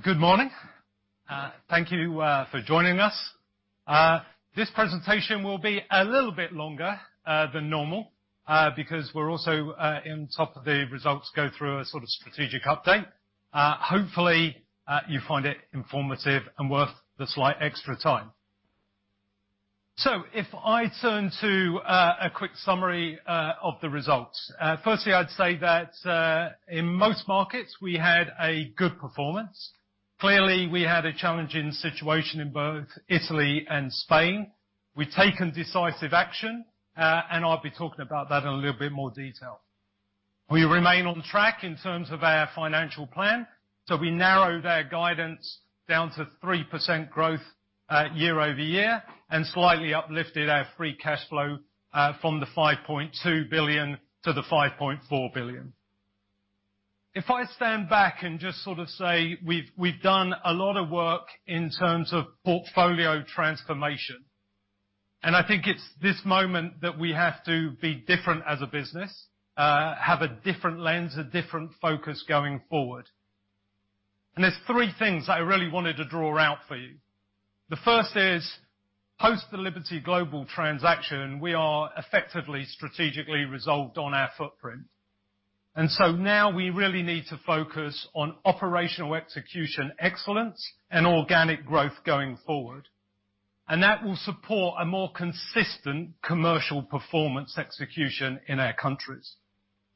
Good morning. Thank you for joining us. This presentation will be a little bit longer than normal, because we are also, on top of the results, go through a sort of strategic update. Hopefully, you find it informative and worth the slight extra time. If I turn to a quick summary of the results, firstly, I would say that, in most markets, we had a good performance. Clearly, we had a challenging situation in both Italy and Spain. We have taken decisive action, and I will be talking about that in a little bit more detail. We remain on track in terms of our financial plan, we narrowed our guidance down to 3% growth year-over-year and slightly uplifted our free cash flow from the 5.2 billion-the 5.4 billion. If I stand back and just sort of say we have done a lot of work in terms of portfolio transformation, I think it is this moment that we have to be different as a business, have a different lens, a different focus going forward. There are three things that I really wanted to draw out for you. The first is, post the Liberty Global transaction, we are effectively strategically resolved on our footprint. Now we really need to focus on operational execution excellence and organic growth going forward. That will support a more consistent commercial performance execution in our countries.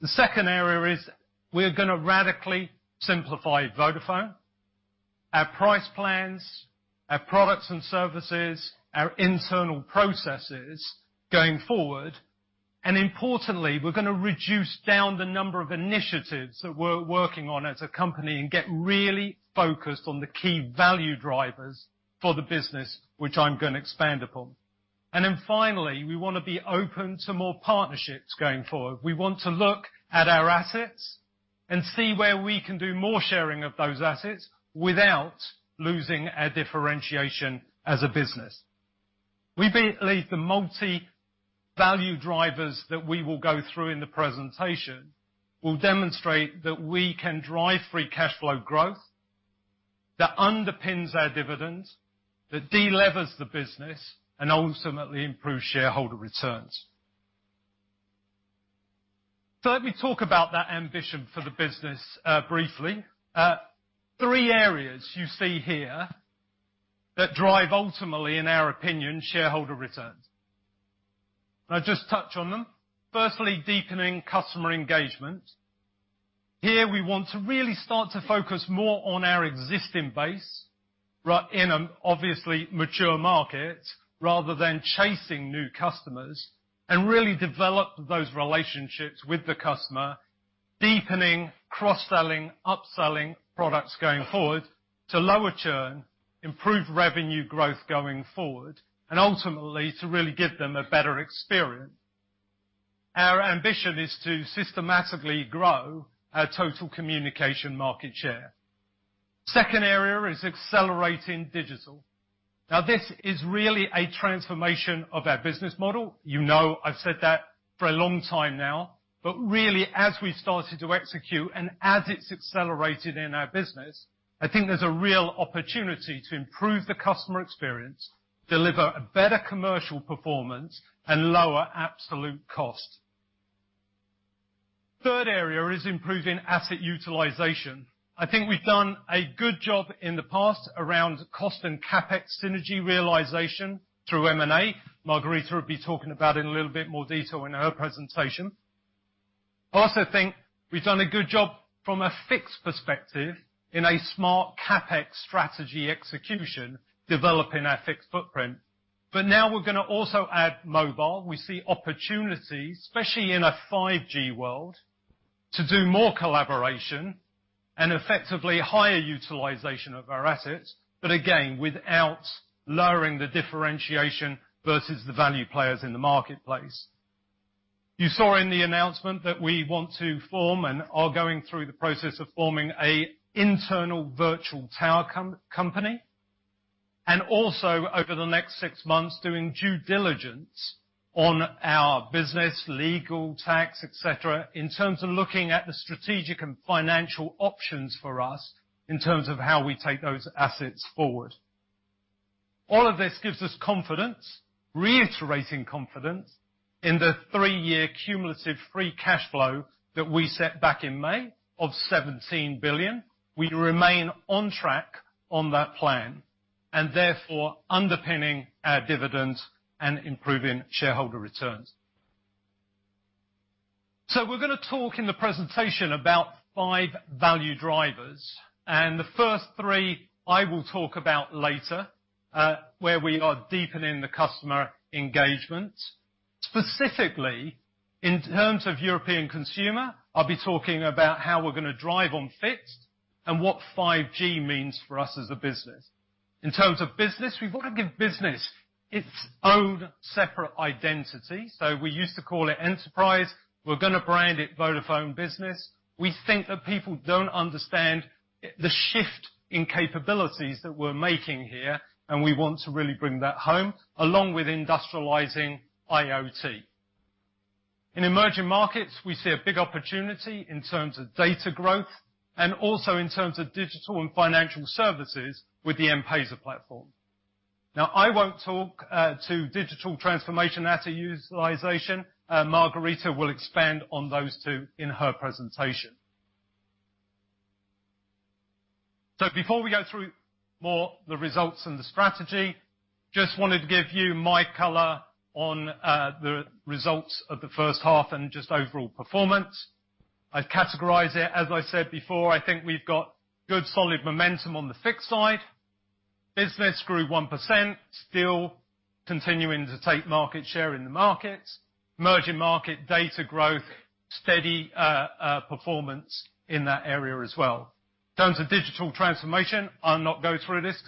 The second area is we are going to radically simplify Vodafone. Our price plans, our products and services, our internal processes going forward. Importantly, we are going to reduce down the number of initiatives that we are working on as a company and get really focused on the key value drivers for the business, which I am going to expand upon. Finally, we want to be open to more partnerships going forward. We want to look at our assets and see where we can do more sharing of those assets without losing our differentiation as a business. We believe the multi-value drivers that we will go through in the presentation will demonstrate that we can drive free cash flow growth that underpins our dividends, that delevers the business, and ultimately improves shareholder returns. Let me talk about that ambition for the business briefly. Three areas you see here that drive, ultimately, in our opinion, shareholder returns. I will just touch on them. Firstly, deepening customer engagement. Here, we want to really start to focus more on our existing base, in an obviously mature market, rather than chasing new customers, and really develop those relationships with the customer, deepening, cross-selling, upselling products going forward to lower churn, improve revenue growth going forward, and ultimately, to really give them a better experience. Our ambition is to systematically grow our total communication market share. Second area is accelerating digital. This is really a transformation of our business model. You know I have said that for a long time now, but really, as we have started to execute and as it has accelerated in our business, I think there is a real opportunity to improve the customer experience, deliver a better commercial performance, and lower absolute cost. Third area is improving asset utilization. I think we have done a good job in the past around cost and CapEx synergy realization through M&A. Margherita will be talking about it in a little bit more detail in her presentation. I also think we've done a good job from a fixed perspective in a smart CapEx strategy execution, developing our fixed footprint. Now we're going to also add mobile. We see opportunities, especially in a 5G world, to do more collaboration and effectively higher utilization of our assets, again, without lowering the differentiation versus the value players in the marketplace. You saw in the announcement that we want to form and are going through the process of forming an internal virtual tower company. Also over the next six months, doing due diligence on our business, legal, tax, et cetera, in terms of looking at the strategic and financial options for us in terms of how we take those assets forward. All of this gives us confidence, reiterating confidence, in the three-year cumulative free cash flow that we set back in May of 17 billion. We remain on track on that plan, therefore underpinning our dividends and improving shareholder returns. We're going to talk in the presentation about five value drivers, and the first three I will talk about later, where we are deepening the customer engagement. Specifically, in terms of European consumer, I'll be talking about how we're going to drive on fixed and what 5G means for us as a business. In terms of business, we've got to give business its own separate identity. We used to call it Enterprise. We're going to brand it Vodafone Business. We think that people don't understand the shift in capabilities that we're making here, we want to really bring that home, along with industrializing IoT. In emerging markets, we see a big opportunity in terms of data growth and also in terms of digital and financial services with the M-PESA platform. I won't talk to digital transformation, asset utilization. Margherita will expand on those two in her presentation. Before we go through more the results and the strategy, just wanted to give you my color on the results of the first half and just overall performance. I'd categorize it, as I said before, I think we've got good, solid momentum on the fixed side. Business grew 1%, still continuing to take market share in the markets. Emerging market data growth, steady performance in that area as well. In terms of digital transformation, I'll not go through this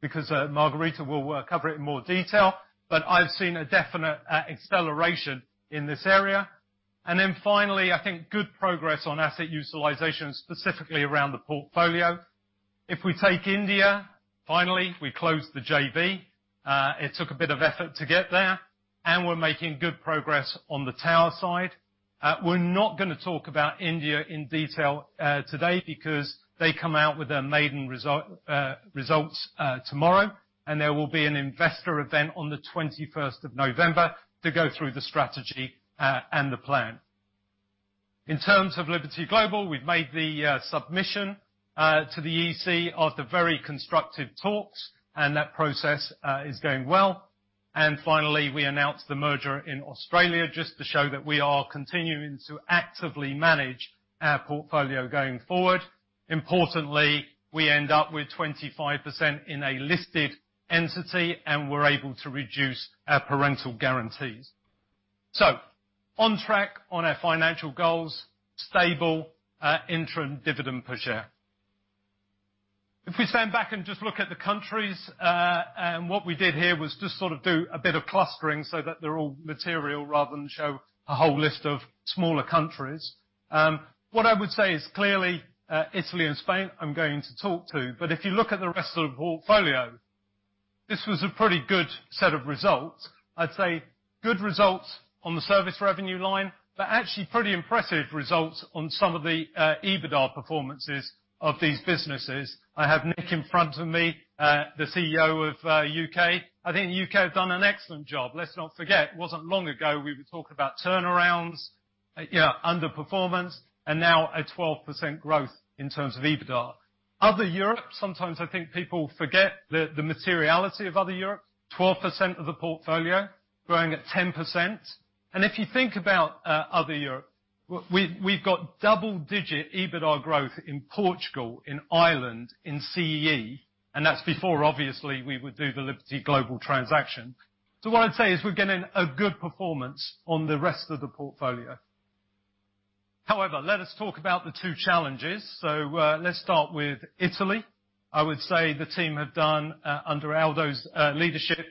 because Margherita will cover it in more detail, I've seen a definite acceleration in this area. Finally, I think good progress on asset utilization, specifically around the portfolio. If we take India, finally, we closed the JV. It took a bit of effort to get there, we're making good progress on the tower side. We're not going to talk about India in detail today because they come out with their maiden results tomorrow, there will be an investor event on the 21st of November to go through the strategy and the plan. In terms of Liberty Global, we've made the submission to the EC after very constructive talks, that process is going well. Finally, we announced the merger in Australia, just to show that we are continuing to actively manage our portfolio going forward. Importantly, we end up with 25% in a listed entity, we're able to reduce our parental guarantees. On track on our financial goals, stable interim dividend per share. If we stand back and just look at the countries, and what we did here was just sort of do a bit of clustering so that they're all material rather than show a whole list of smaller countries. What I would say is clearly, Italy and Spain, I'm going to talk to, but if you look at the rest of the portfolio, this was a pretty good set of results. I'd say good results on the service revenue line, but actually pretty impressive results on some of the EBITDA performances of these businesses. I have Nick in front of me, the CEO of U.K. I think U.K. have done an excellent job. Let's not forget, it wasn't long ago we would talk about turnarounds, underperformance, and now a 12% growth in terms of EBITDA. Other Europe, sometimes I think people forget the materiality of Other Europe. 12% of the portfolio growing at 10%. If you think about Other Europe, we've got double-digit EBITDA growth in Portugal, in Ireland, in CEE, and that's before, obviously, we would do the Liberty Global transaction. What I'd say is we're getting a good performance on the rest of the portfolio. However, let us talk about the two challenges. Let's start with Italy. I would say the team have done, under Aldo's leadership,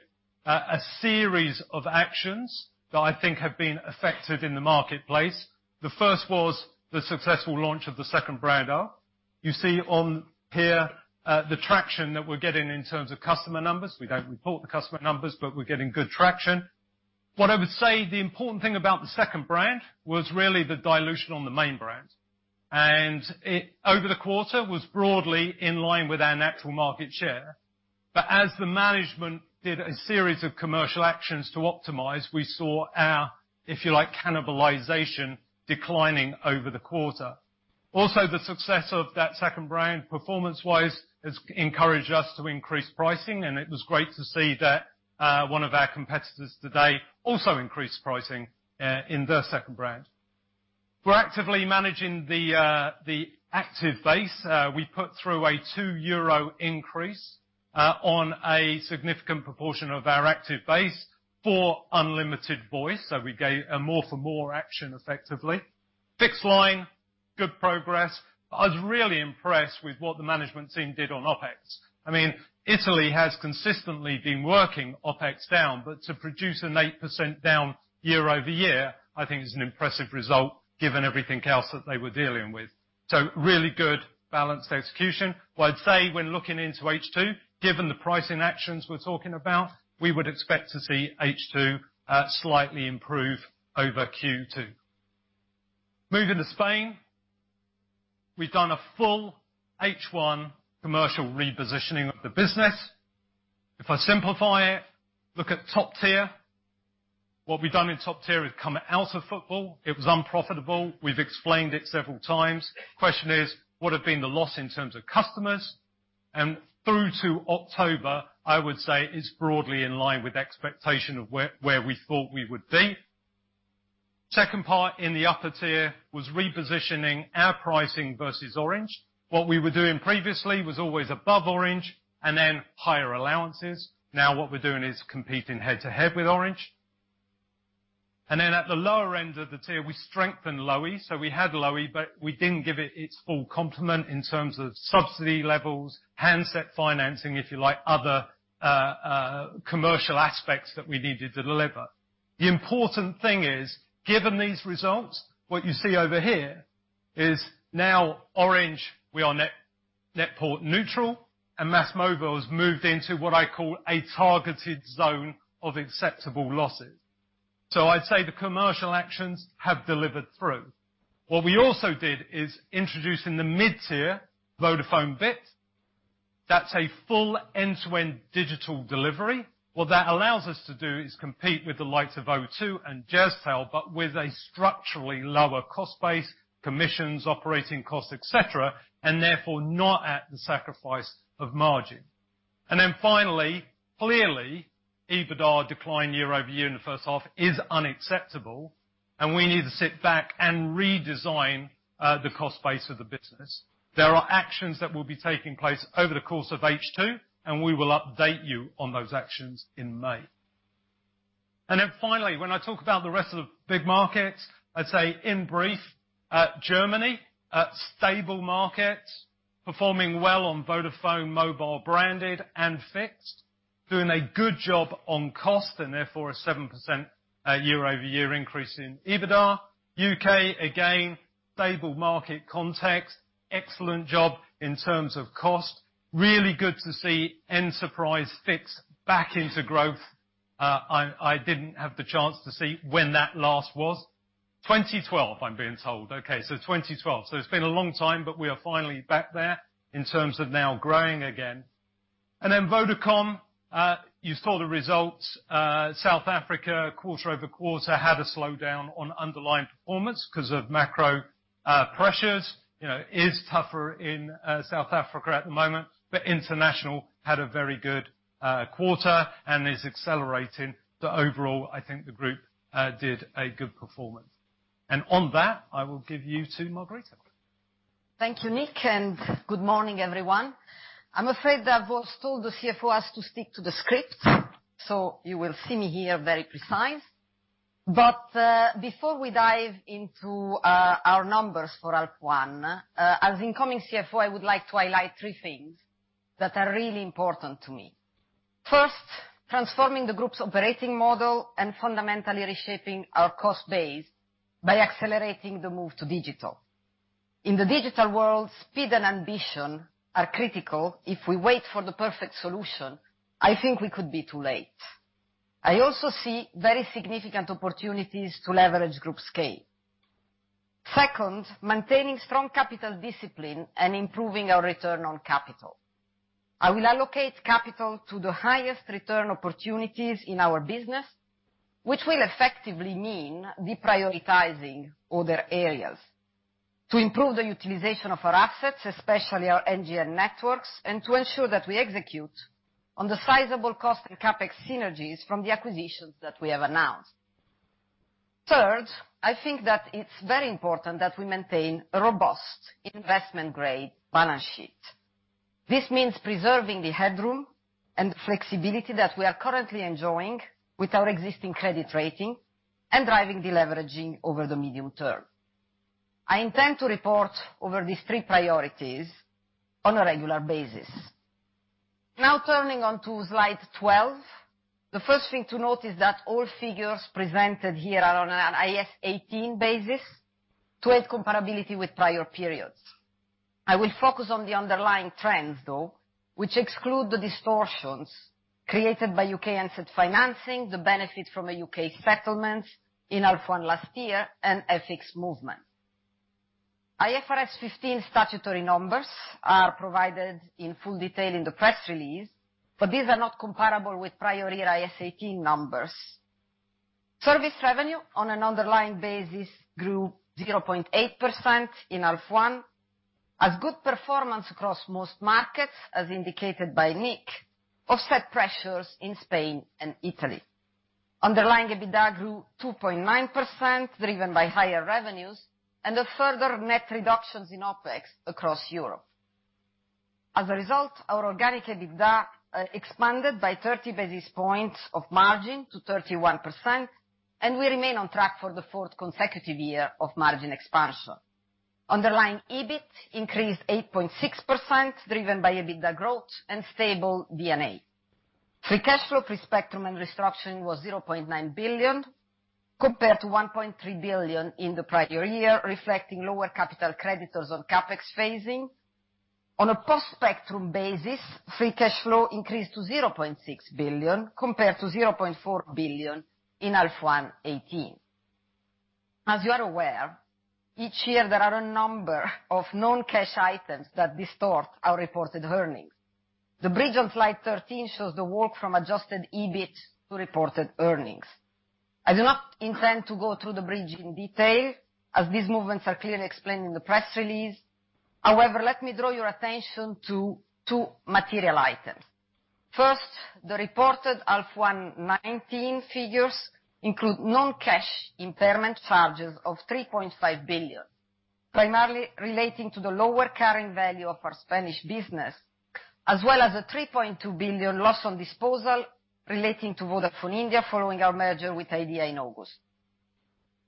a series of actions that I think have been effective in the marketplace. The first was the successful launch of the second brand ho. You see on here the traction that we're getting in terms of customer numbers. We don't report the customer numbers, but we're getting good traction. What I would say the important thing about the second brand was really the dilution on the main brand. Over the quarter was broadly in line with our natural market share. As the management did a series of commercial actions to optimize, we saw our, if you like, cannibalization declining over the quarter. Also, the success of that second brand performance-wise has encouraged us to increase pricing, and it was great to see that one of our competitors today also increased pricing in their second brand. We're actively managing the active base. We put through a 2 euro increase on a significant proportion of our active base for unlimited voice. We gave a more for more action, effectively. Fixed line, good progress. I was really impressed with what the management team did on OpEx. Italy has consistently been working OpEx down, but to produce an 8% down year-over-year, I think is an impressive result given everything else that they were dealing with. Really good, balanced execution. What I'd say when looking into H2, given the pricing actions we're talking about, we would expect to see H2 slightly improve over Q2. Moving to Spain, we've done a full H1 commercial repositioning of the business. If I simplify it, look at top tier. What we've done in top tier is come out of football. It was unprofitable. We've explained it several times. Question is, what have been the loss in terms of customers? Through to October, I would say is broadly in line with expectation of where we thought we would be. Second part in the upper tier was repositioning our pricing versus Orange. What we were doing previously was always above Orange and then higher allowances. Now what we're doing is competing head-to-head with Orange. At the lower end of the tier, we strengthened Lowi. We had Lowi, but we didn't give it its full complement in terms of subsidy levels, handset financing, if you like, other commercial aspects that we needed to deliver. The important thing is, given these results, what you see over here is now Orange, we are net port neutral, and MasMobile has moved into what I call a targeted zone of acceptable losses. I'd say the commercial actions have delivered through. What we also did is introduce in the mid-tier Vodafone Bit. That's a full end-to-end digital delivery. What that allows us to do is compete with the likes of O2 and Jazztel, but with a structurally lower cost base, commissions, operating costs, et cetera, and therefore not at the sacrifice of margin. Finally, clearly, EBITDA decline year-over-year in the first half is unacceptable, and we need to sit back and redesign the cost base of the business. There are actions that will be taking place over the course of H2, and we will update you on those actions in May. Finally, when I talk about the rest of the big markets, I'd say in brief, Germany, stable markets, performing well on Vodafone mobile branded and fixed, doing a good job on cost, and therefore a 7% year-over-year increase in EBITDA. U.K., again, stable market context, excellent job in terms of cost. Really good to see Enterprise Fix back into growth. I didn't have the chance to see when that last was. 2012, I'm being told. Okay, 2012. It's been a long time, but we are finally back there in terms of now growing again. Vodacom, you saw the results. South Africa, quarter-over-quarter, had a slowdown on underlying performance because of macro pressures. It is tougher in South Africa at the moment, but international had a very good quarter and is accelerating. Overall, I think the group did a good performance. On that, I will give you to Margherita. Thank you, Nick, and good morning, everyone. I'm afraid the boss told the CFO asked to stick to the script. You will see me here very precise. Before we dive into our numbers for half one, as incoming CFO, I would like to highlight three things that are really important to me. First, transforming the group's operating model and fundamentally reshaping our cost base by accelerating the move to digital. In the digital world, speed and ambition are critical. If we wait for the perfect solution, I think we could be too late. I also see very significant opportunities to leverage group scale. Second, maintaining strong capital discipline and improving our return on capital. I will allocate capital to the highest return opportunities in our business, which will effectively mean deprioritizing other areas to improve the utilization of our assets, especially our NGN networks, and to ensure that we execute on the sizable cost and CapEx synergies from the acquisitions that we have announced. Third, I think that it is very important that we maintain a robust investment-grade balance sheet. This means preserving the headroom and flexibility that we are currently enjoying with our existing credit rating and driving deleveraging over the medium term. I intend to report over these three priorities on a regular basis. Turning on to slide 12, the first thing to note is that all figures presented here are on an IAS 18 basis to aid comparability with prior periods. I will focus on the underlying trends, though, which exclude the distortions created by U.K. handset financing, the benefit from a U.K. settlement in half one last year, and FX movement. IFRS 15 statutory numbers are provided in full detail in the press release, but these are not comparable with prior year IAS 18 numbers. Service revenue on an underlying basis grew 0.8% in half one as good performance across most markets, as indicated by Nick, offset pressures in Spain and Italy. Underlying EBITDA grew 2.9%, driven by higher revenues and the further net reductions in OpEx across Europe. As a result, our organic EBITDA expanded by 30 basis points of margin to 31%, and we remain on track for the fourth consecutive year of margin expansion. Underlying EBIT increased 8.6%, driven by EBITDA growth and stable D&A. Free cash flow for spectrum and restructuring was 0.9 billion compared to 1.3 billion in the prior year, reflecting lower capital creditors on CapEx phasing. On a post-spectrum basis, free cash flow increased to 0.6 billion compared to 0.4 billion in half one 2018. As you are aware, each year there are a number of non-cash items that distort our reported earnings. The bridge on slide 13 shows the work from adjusted EBIT to reported earnings. I do not intend to go through the bridge in detail as these movements are clearly explained in the press release. However, let me draw your attention to two material items. First, the reported half one 2019 figures include non-cash impairment charges of 3.5 billion. Primarily relating to the lower carrying value of our Spanish business, as well as a 3.2 billion loss on disposal relating to Vodafone India following our merger with Idea in August.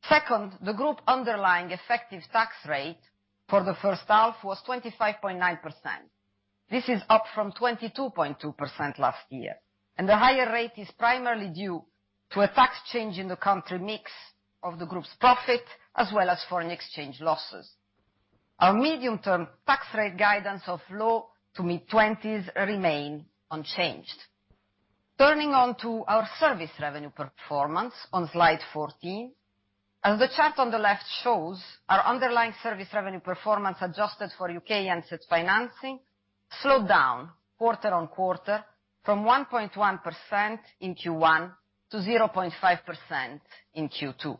Second, the group underlying effective tax rate for the first half was 25.9%. This is up from 22.2% last year, and the higher rate is primarily due to a tax change in the country mix of the group's profit, as well as foreign exchange losses. Our medium-term tax rate guidance of low to mid-20s remain unchanged. Turning on to our service revenue performance on slide 14. As the chart on the left shows, our underlying service revenue performance adjusted for U.K. asset financing slowed down quarter-on-quarter from 1.1% in Q1 to 0.5% in Q2.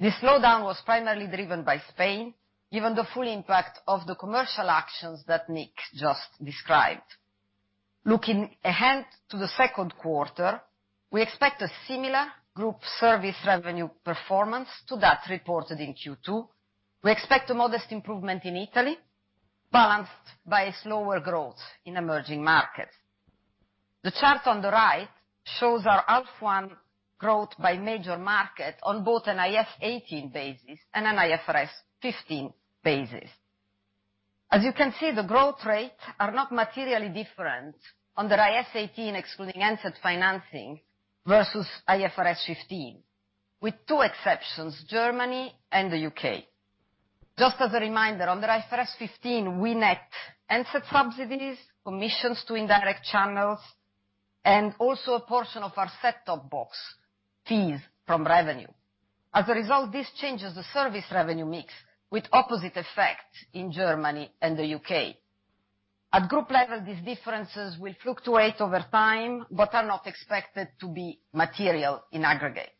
This slowdown was primarily driven by Spain, given the full impact of the commercial actions that Nick just described. Looking ahead to the second quarter, we expect a similar group service revenue performance to that reported in Q2. We expect a modest improvement in Italy, balanced by slower growth in emerging markets. The chart on the right shows our half one growth by major market on both an IAS 18 basis and an IFRS 15 basis. As you can see, the growth rates are not materially different on the IAS 18, excluding asset financing, versus IFRS 15, with two exceptions, Germany and the U.K. Just as a reminder, under IFRS 15, we net asset subsidies, commissions to indirect channels, and also a portion of our set-top box fees from revenue. As a result, this changes the service revenue mix with opposite effect in Germany and the U.K. At group level, these differences will fluctuate over time, but are not expected to be material in aggregate.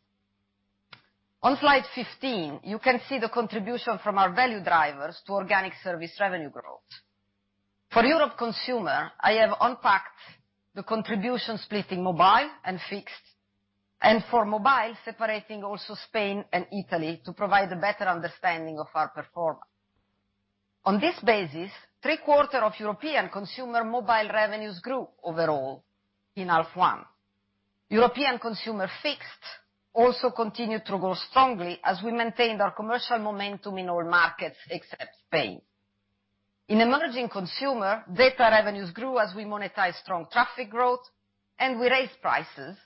On slide 15, you can see the contribution from our value drivers to organic service revenue growth. For Europe consumer, I have unpacked the contribution split in mobile and fixed. For mobile, separating also Spain and Italy to provide a better understanding of our performance. On this basis, three-quarters of European consumer mobile revenues grew overall in half one. European consumer fixed also continued to grow strongly as we maintained our commercial momentum in all markets except Spain. In emerging consumer, data revenues grew as we monetize strong traffic growth, and we raised prices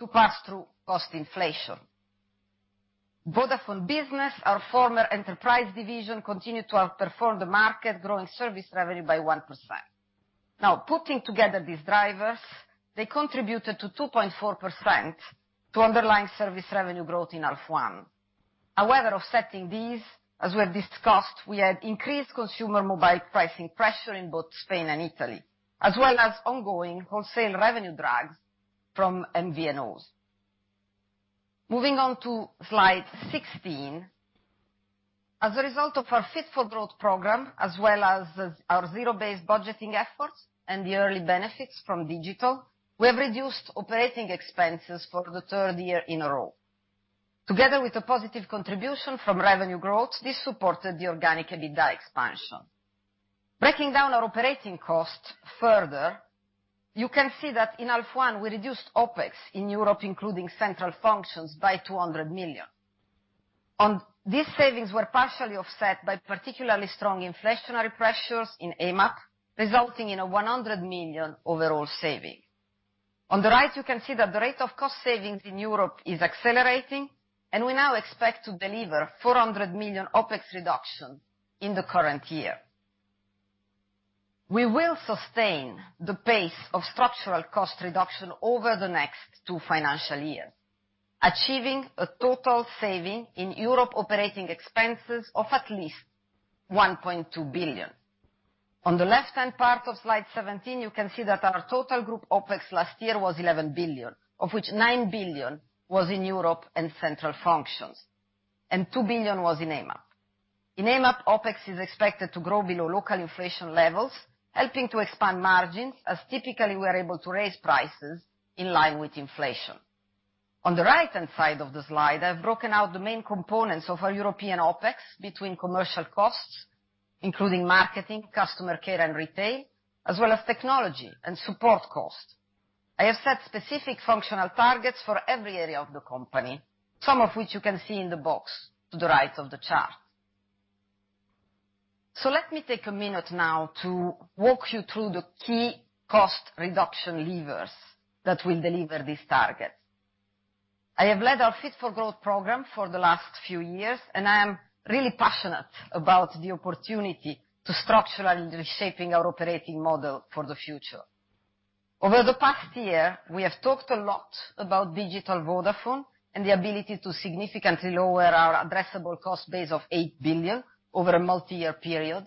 to pass through cost inflation. Vodafone Business, our former enterprise division, continued to outperform the market, growing service revenue by 1%. Putting together these drivers, they contributed to 2.4% to underlying service revenue growth in half one. However, offsetting these, as we have discussed, we had increased consumer mobile pricing pressure in both Spain and Italy, as well as ongoing wholesale revenue drags from MVNOs. Moving on to slide 16. As a result of our Fit for Growth program, as well as our zero-based budgeting efforts and the early benefits from digital, we have reduced operating expenses for the third year in a row. Together with a positive contribution from revenue growth, this supported the organic EBITDA expansion. Breaking down our operating costs further, you can see that in half one, we reduced OpEx in Europe, including central functions, by 200 million. These savings were partially offset by particularly strong inflationary pressures in AMAP, resulting in a 100 million overall saving. On the right, you can see that the rate of cost savings in Europe is accelerating, and we now expect to deliver 400 million OpEx reduction in the current year. We will sustain the pace of structural cost reduction over the next two financial years, achieving a total saving in Europe operating expenses of at least 1.2 billion. On the left-hand part of slide 17, you can see that our total group OpEx last year was 11 billion, of which 9 billion was in Europe and central functions, and 2 billion was in AMAP. In AMAP, OpEx is expected to grow below local inflation levels, helping to expand margins, as typically we're able to raise prices in line with inflation. On the right-hand side of the slide, I've broken out the main components of our European OpEx between commercial costs, including marketing, customer care, and retail, as well as technology and support costs. I have set specific functional targets for every area of the company, some of which you can see in the box to the right of the chart. Let me take a minute now to walk you through the key cost reduction levers that will deliver these targets. I have led our Fit for Growth program for the last few years, and I am really passionate about the opportunity to structurally reshaping our operating model for the future. Over the past year, we have talked a lot about digital Vodafone and the ability to significantly lower our addressable cost base of 8 billion over a multi-year period.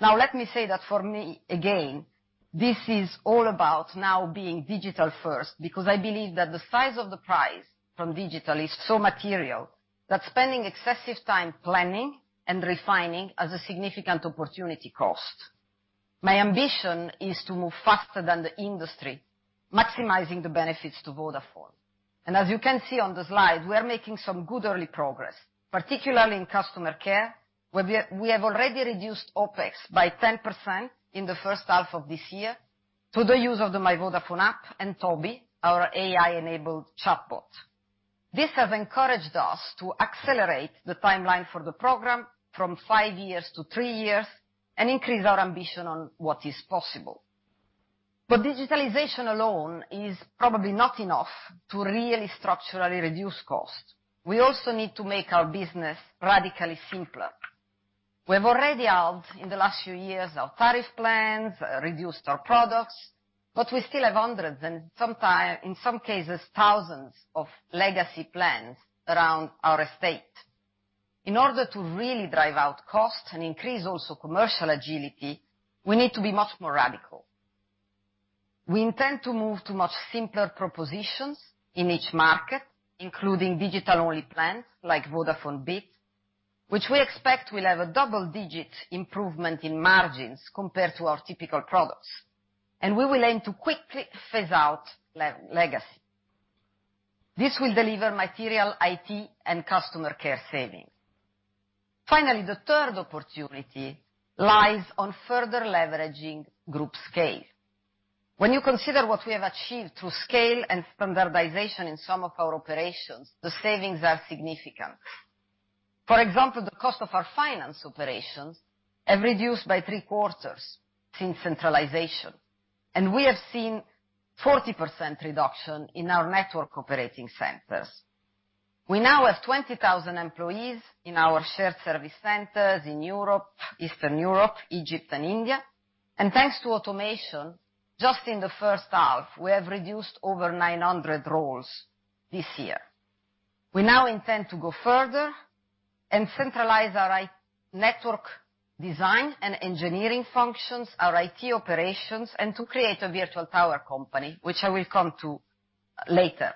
Let me say that for me, again, this is all about now being digital first, because I believe that the size of the prize from digital is so material that spending excessive time planning and refining has a significant opportunity cost. My ambition is to move faster than the industry, maximizing the benefits to Vodafone. As you can see on the slide, we are making some good early progress, particularly in customer care, where we have already reduced OpEx by 10% in the first half of this year through the use of the My Vodafone app and TOBi, our AI-enabled chatbot. This has encouraged us to accelerate the timeline for the program from five years to three years and increase our ambition on what is possible. Digitalization alone is probably not enough to really structurally reduce cost. We also need to make our business radically simpler. We've already halved, in the last few years, our tariff plans, reduced our products, but we still have hundreds, and in some cases, thousands of legacy plans around our estate. In order to really drive out cost and increase also commercial agility, we need to be much more radical. We intend to move to much simpler propositions in each market, including digital-only plans like Vodafone Bit, which we expect will have a double-digit improvement in margins compared to our typical products, and we will aim to quickly phase out legacy. This will deliver material IT and customer care savings. Finally, the third opportunity lies on further leveraging group scale. When you consider what we have achieved through scale and standardization in some of our operations, the savings are significant. For example, the cost of our finance operations have reduced by three-quarters since centralization, and we have seen 40% reduction in our network operating centers. We now have 20,000 employees in our shared service centers in Europe, Eastern Europe, Egypt, and India. Thanks to automation, just in the first half, we have reduced over 900 roles this year. We now intend to go further and centralize our network design and engineering functions, our IT operations, and to create a virtual tower company, which I will come to later.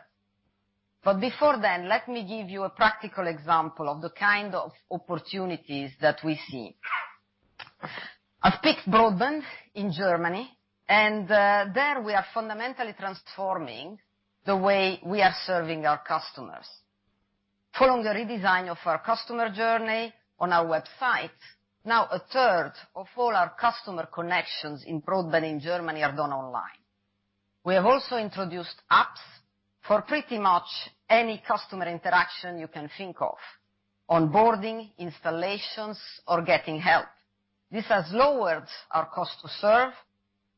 Before then, let me give you a practical example of the kind of opportunities that we see. I've picked broadband in Germany, and there we are fundamentally transforming the way we are serving our customers. Following the redesign of our customer journey on our website, now a third of all our customer connections in broadband in Germany are done online. We have also introduced apps for pretty much any customer interaction you can think of, onboarding, installations, or getting help. This has lowered our cost to serve,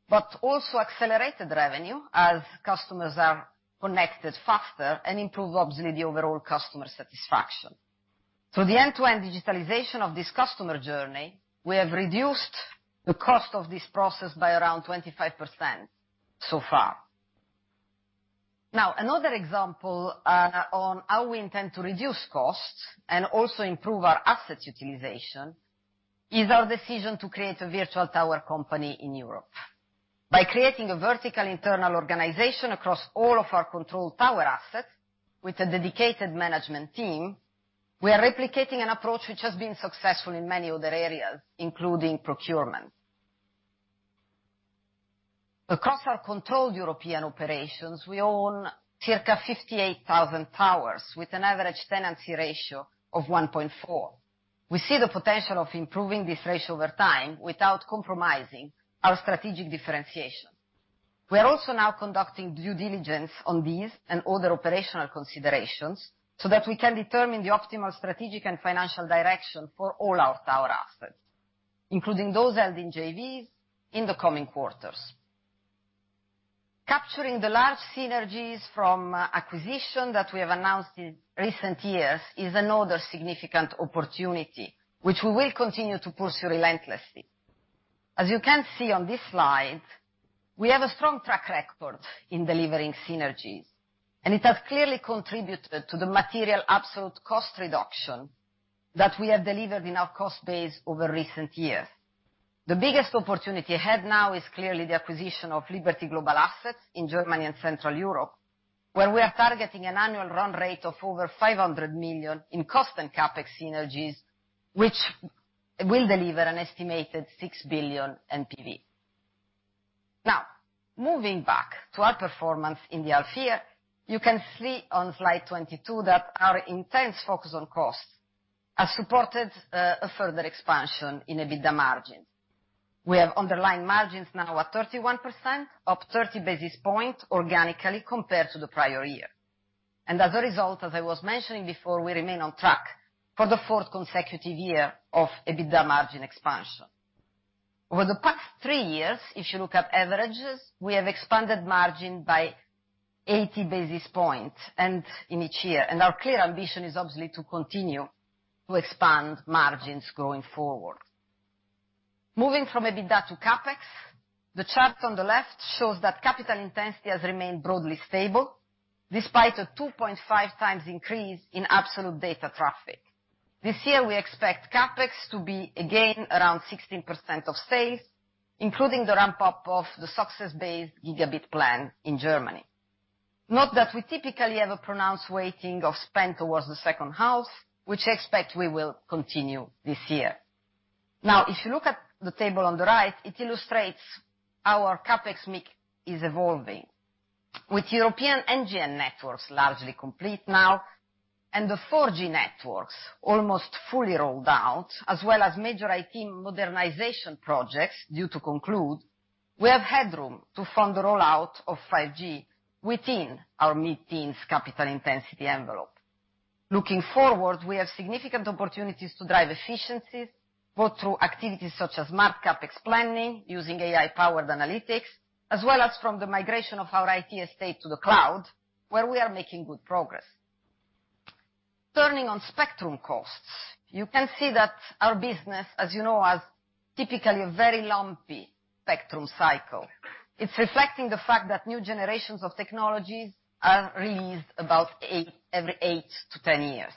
but also accelerated revenue as customers are connected faster and improved obviously the overall customer satisfaction. Through the end-to-end digitalization of this customer journey, we have reduced the cost of this process by around 25% so far. Another example on how we intend to reduce costs and also improve our asset utilization is our decision to create a virtual tower company in Europe. By creating a vertical internal organization across all of our controlled tower assets with a dedicated management team, we are replicating an approach which has been successful in many other areas, including procurement. Across our controlled European operations, we own circa 58,000 towers with an average tenancy ratio of 1.4. We see the potential of improving this ratio over time without compromising our strategic differentiation. We are also now conducting due diligence on these and other operational considerations so that we can determine the optimal strategic and financial direction for all our tower assets, including those held in JVs in the coming quarters. Capturing the large synergies from acquisition that we have announced in recent years is another significant opportunity, which we will continue to pursue relentlessly. As you can see on this slide, we have a strong track record in delivering synergies, it has clearly contributed to the material absolute cost reduction that we have delivered in our cost base over recent years. The biggest opportunity ahead now is clearly the acquisition of Liberty Global Assets in Germany and Central Europe, where we are targeting an annual run rate of over 500 million in cost and CapEx synergies, which will deliver an estimated 6 billion NPV. Moving back to our performance in the half year, you can see on slide 22 that our intense focus on costs has supported a further expansion in EBITDA margin. We have underlying margins now at 31% up 30 basis points organically compared to the prior year. As a result, as I was mentioning before, we remain on track for the fourth consecutive year of EBITDA margin expansion. Over the past three years, if you look at averages, we have expanded margin by 80 basis points in each year. Our clear ambition is obviously to continue to expand margins going forward. Moving from EBITDA to CapEx, the chart on the left shows that capital intensity has remained broadly stable despite a 2.5x increase in absolute data traffic. This year, we expect CapEx to be again around 16% of sales, including the ramp-up of the success-based gigabit plan in Germany. Note that we typically have a pronounced weighting of spend towards the second half, which I expect we will continue this year. If you look at the table on the right, it illustrates our CapEx mix is evolving. With European NGN networks largely complete now and the 4G networks almost fully rolled out, as well as major IT modernization projects due to conclude, we have headroom to fund the rollout of 5G within our mid-teens capital intensity envelope. Looking forward, we have significant opportunities to drive efficiencies, both through activities such as smart CapEx planning using AI-powered analytics, as well as from the migration of our IT estate to the cloud, where we are making good progress. Turning on spectrum costs, you can see that our business, as you know, has typically a very lumpy spectrum cycle. It's reflecting the fact that new generations of technologies are released about every 8-10 years.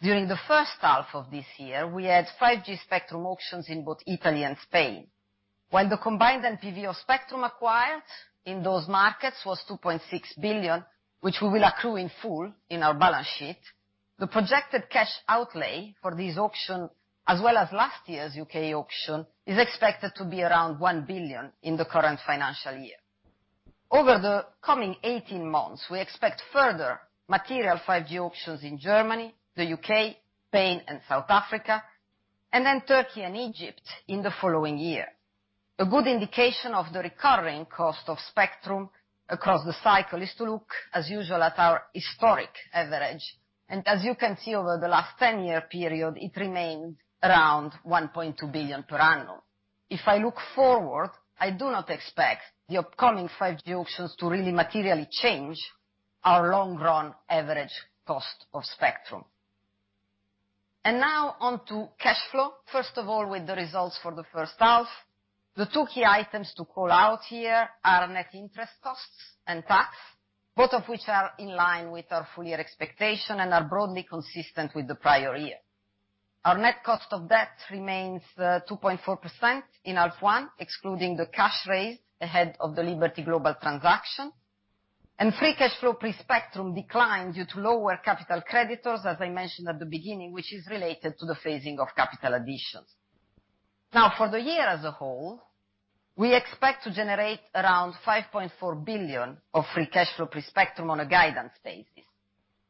During the first half of this year, we had 5G spectrum auctions in both Italy and Spain. While the combined NPV of spectrum acquired in those markets was 2.6 billion, which we will accrue in full in our balance sheet, the projected cash outlay for this auction, as well as last year's U.K. auction, is expected to be around 1 billion in the current financial year. Over the coming 18 months, we expect further material 5G auctions in Germany, the U.K., Spain, and South Africa, and then Turkey and Egypt in the following year. A good indication of the recurring cost of spectrum across the cycle is to look, as usual, at our historic average. And as you can see, over the last 10-year period, it remained around 1.2 billion per annum. If I look forward, I do not expect the upcoming 5G auctions to really materially change our long-run average cost of spectrum. Now on to cash flow. First of all, with the results for the first half. The two key items to call out here are net interest costs and tax, both of which are in line with our full-year expectation and are broadly consistent with the prior year. Our net cost of debt remains 2.4% in half one, excluding the cash raise ahead of the Liberty Global transaction. Free cash flow pre-spectrum declined due to lower capital creditors, as I mentioned at the beginning, which is related to the phasing of capital additions. Now for the year as a whole, we expect to generate around 5.4 billion of free cash flow pre-spectrum on a guidance basis.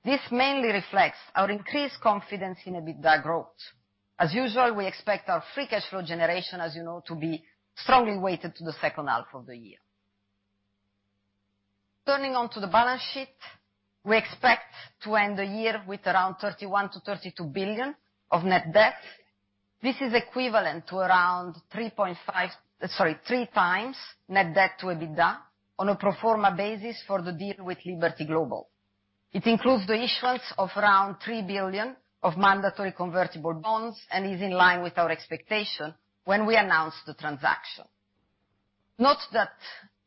This mainly reflects our increased confidence in EBITDA growth. As usual, we expect our free cash flow generation, as you know, to be strongly weighted to the second half of the year. Turning on to the balance sheet. We expect to end the year with around 31 billion to 32 billion of net debt. This is equivalent to around 3x net debt to EBITDA on a pro forma basis for the deal with Liberty Global. It includes the issuance of around 3 billion of mandatory convertible bonds and is in line with our expectation when we announced the transaction. Note that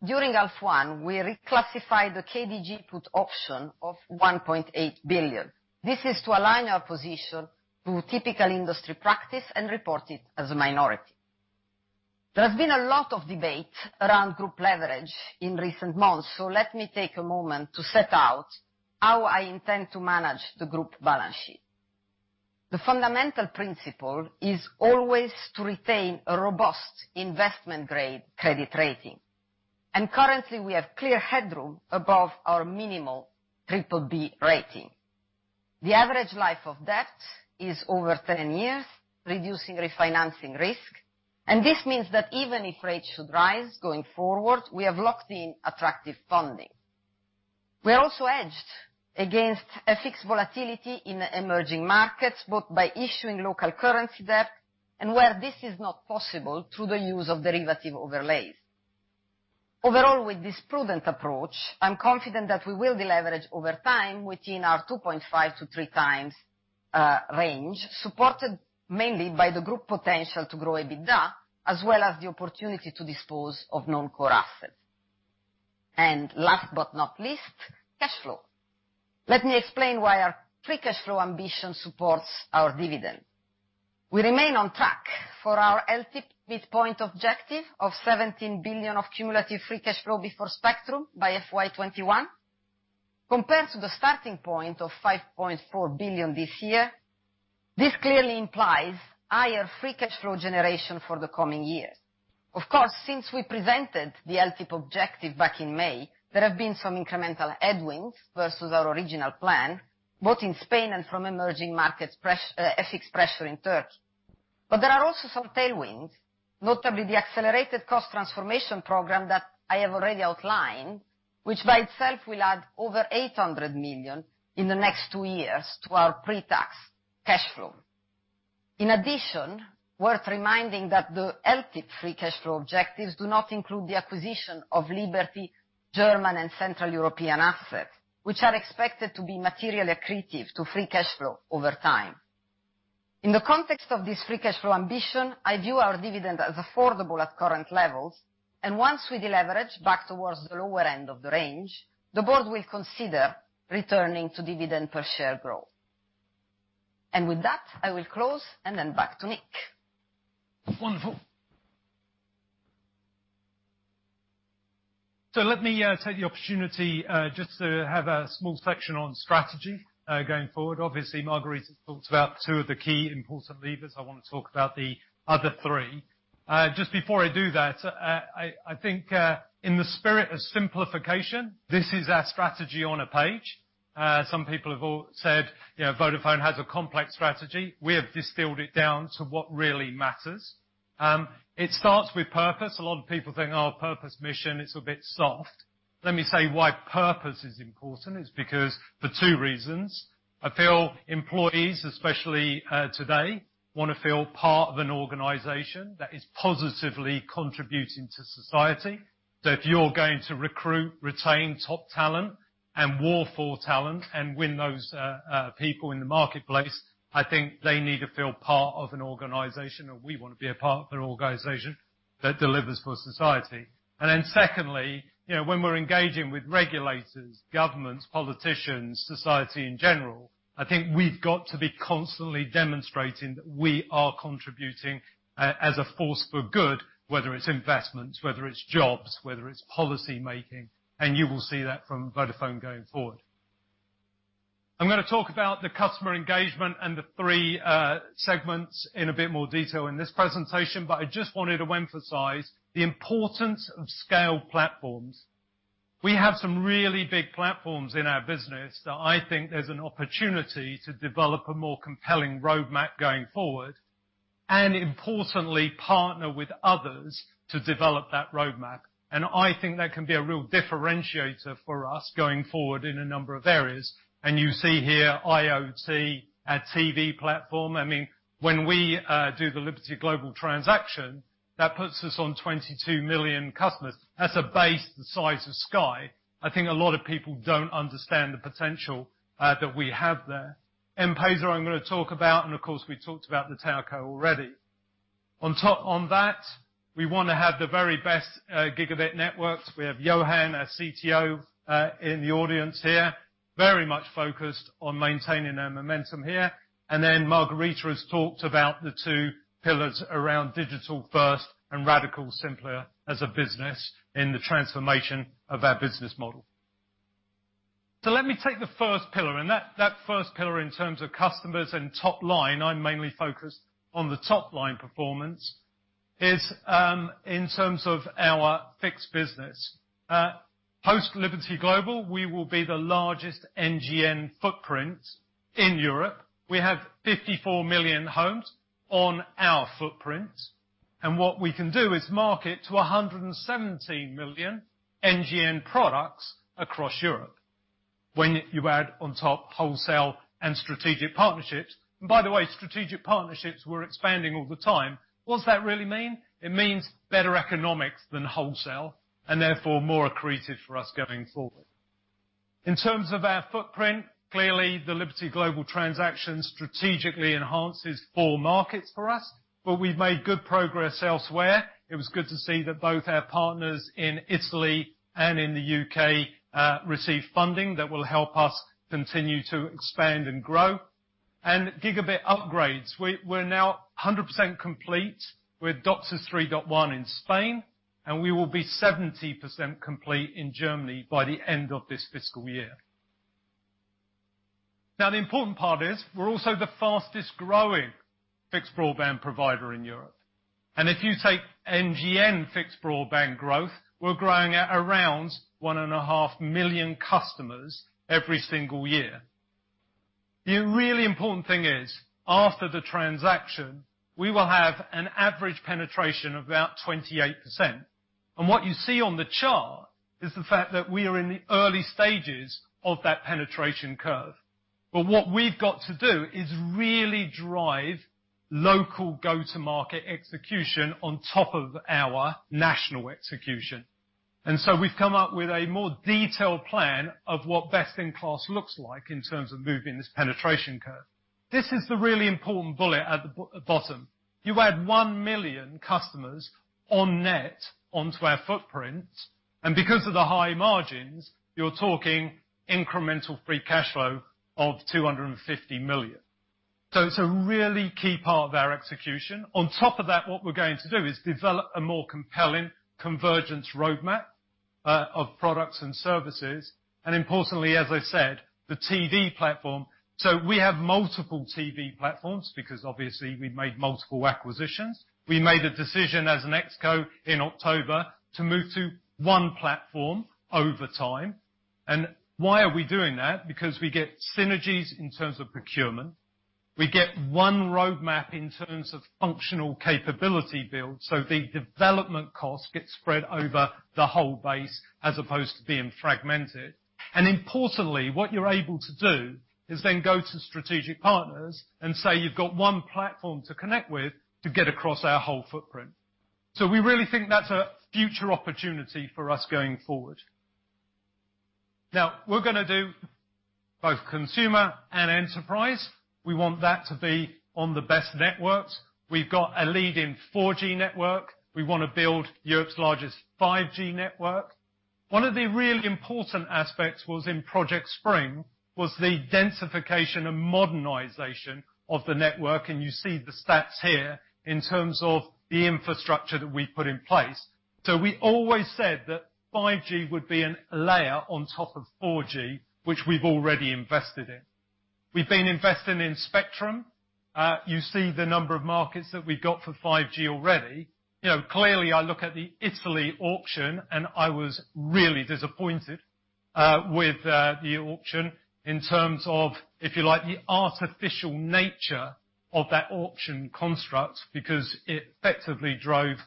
during half one, we reclassified the KDG put option of 1.8 billion. This is to align our position to typical industry practice and report it as a minority. There has been a lot of debate around group leverage in recent months, so let me take a moment to set out how I intend to manage the group balance sheet. The fundamental principle is always to retain a robust investment-grade credit rating. Currently, we have clear headroom above our minimal BBB rating. The average life of debt is over 10 years, reducing refinancing risk. This means that even if rates should rise going forward, we have locked in attractive funding. We are also hedged against FX volatility in the emerging markets, both by issuing local currency debt and where this is not possible through the use of derivative overlays. Overall, with this prudent approach, I'm confident that we will deleverage over time within our 2.5-3x range, supported mainly by the group potential to grow EBITDA, as well as the opportunity to dispose of non-core assets. Last but not least, cash flow. Let me explain why our free cash flow ambition supports our dividend. We remain on track for our LTIP midpoint objective of 17 billion of cumulative free cash flow before spectrum by FY 2021. Compared to the starting point of 5.4 billion this year, this clearly implies higher free cash flow generation for the coming years. Of course, since we presented the LTIP objective back in May, there have been some incremental headwinds versus our original plan, both in Spain and from emerging markets FX pressure in Turkey. There are also some tailwinds, notably the accelerated cost transformation program that I have already outlined, which by itself will add over 800 million in the next two years to our pre-tax cash flow. In addition, worth reminding that the LTIP free cash flow objectives do not include the acquisition of Liberty Global German and Central European assets, which are expected to be materially accretive to free cash flow over time. In the context of this free cash flow ambition, I view our dividend as affordable at current levels, and once we deleverage back towards the lower end of the range, the board will consider returning to dividend per share growth. With that, I will close and then back to Nick. Wonderful. So let me take the opportunity just to have a small section on strategy going forward. Obviously, Margherita has talked about two of the key important levers. I want to talk about the other three. Just before I do that, I think, in the spirit of simplification, this is our strategy on a page. Some people have said Vodafone has a complex strategy. We have distilled it down to what really matters. It starts with purpose. A lot of people think, purpose mission, it's a bit soft. Let me say why purpose is important. It's because, for two reasons, I feel employees, especially today, want to feel part of an organization that is positively contributing to society. If you're going to recruit, retain top talent and war for talent and win those people in the marketplace, I think they need to feel part of an organization, and we want to be a part of an organization that delivers for society. Secondly, when we're engaging with regulators, governments, politicians, society in general, I think we've got to be constantly demonstrating that we are contributing as a force for good, whether it's investments, whether it's jobs, whether it's policy making. You will see that from Vodafone going forward. I'm going to talk about the customer engagement and the three segments in a bit more detail in this presentation, I just wanted to emphasize the importance of scale platforms. We have some really big platforms in our business that I think there's an opportunity to develop a more compelling roadmap going forward, and importantly, partner with others to develop that roadmap. I think that can be a real differentiator for us going forward in a number of areas. You see here, IoT, our TV platform. When we do the Liberty Global transaction, that puts us on 22 million customers. That's a base the size of Sky. I think a lot of people don't understand the potential that we have there. M-PESA, I'm going to talk about, and of course, we talked about the telco already. On that, we want to have the very best gigabit networks. We have Johan, our CTO, in the audience here, very much focused on maintaining our momentum here. Margherita has talked about the two pillars around digital first and radical simpler as a business in the transformation of our business model. Let me take the first pillar, and that first pillar in terms of customers and top line, I'm mainly focused on the top-line performance, is in terms of our fixed business. Post Liberty Global, we will be the largest NGN footprint in Europe. We have 54 million homes on our footprint, and what we can do is market to 117 million NGN products across Europe when you add on top wholesale and strategic partnerships. By the way, strategic partnerships, we're expanding all the time. What does that really mean? It means better economics than wholesale, and therefore more accretive for us going forward. In terms of our footprint, clearly the Liberty Global transaction strategically enhances four markets for us, we've made good progress elsewhere. It was good to see that both our partners in Italy and in the U.K. receive funding that will help us continue to expand and grow. Gigabit upgrades, we're now 100% complete with DOCSIS 3.1 in Spain, and we will be 70% complete in Germany by the end of this fiscal year. The important part is we're also the fastest growing fixed broadband provider in Europe. If you take NGN fixed broadband growth, we're growing at around 1.5 million customers every single year. The really important thing is, after the transaction, we will have an average penetration of about 28%. What you see on the chart is the fact that we are in the early stages of that penetration curve. What we've got to do is really drive local go-to-market execution on top of our national execution. We've come up with a more detailed plan of what best in class looks like in terms of moving this penetration curve. This is the really important bullet at the bottom. You add 1 million customers on net onto our footprint, and because of the high margins, you're talking incremental free cash flow of 250 million. It's a really key part of our execution. On top of that, what we're going to do is develop a more compelling convergence roadmap of products and services, and importantly, as I said, the TV platform. We have multiple TV platforms because obviously we've made multiple acquisitions. We made a decision as an ExCo in October to move to one platform over time. Why are we doing that? We get synergies in terms of procurement. We get one roadmap in terms of functional capability build, the development cost gets spread over the whole base as opposed to being fragmented. Importantly, what you're able to do is then go to strategic partners and say you've got one platform to connect with to get across our whole footprint. We really think that's a future opportunity for us going forward. We're going to do both consumer and enterprise. We want that to be on the best networks. We've got a leading 4G network. We want to build Europe's largest 5G network. One of the really important aspects was in Project Spring, was the densification and modernization of the network, and you see the stats here in terms of the infrastructure that we've put in place. We always said that 5G would be a layer on top of 4G, which we've already invested in. We've been investing in spectrum. You see the number of markets that we've got for 5G already. Clearly, I look at the Italy auction, and I was really disappointed, with the auction in terms of, if you like, the artificial nature of that auction construct, because it effectively drove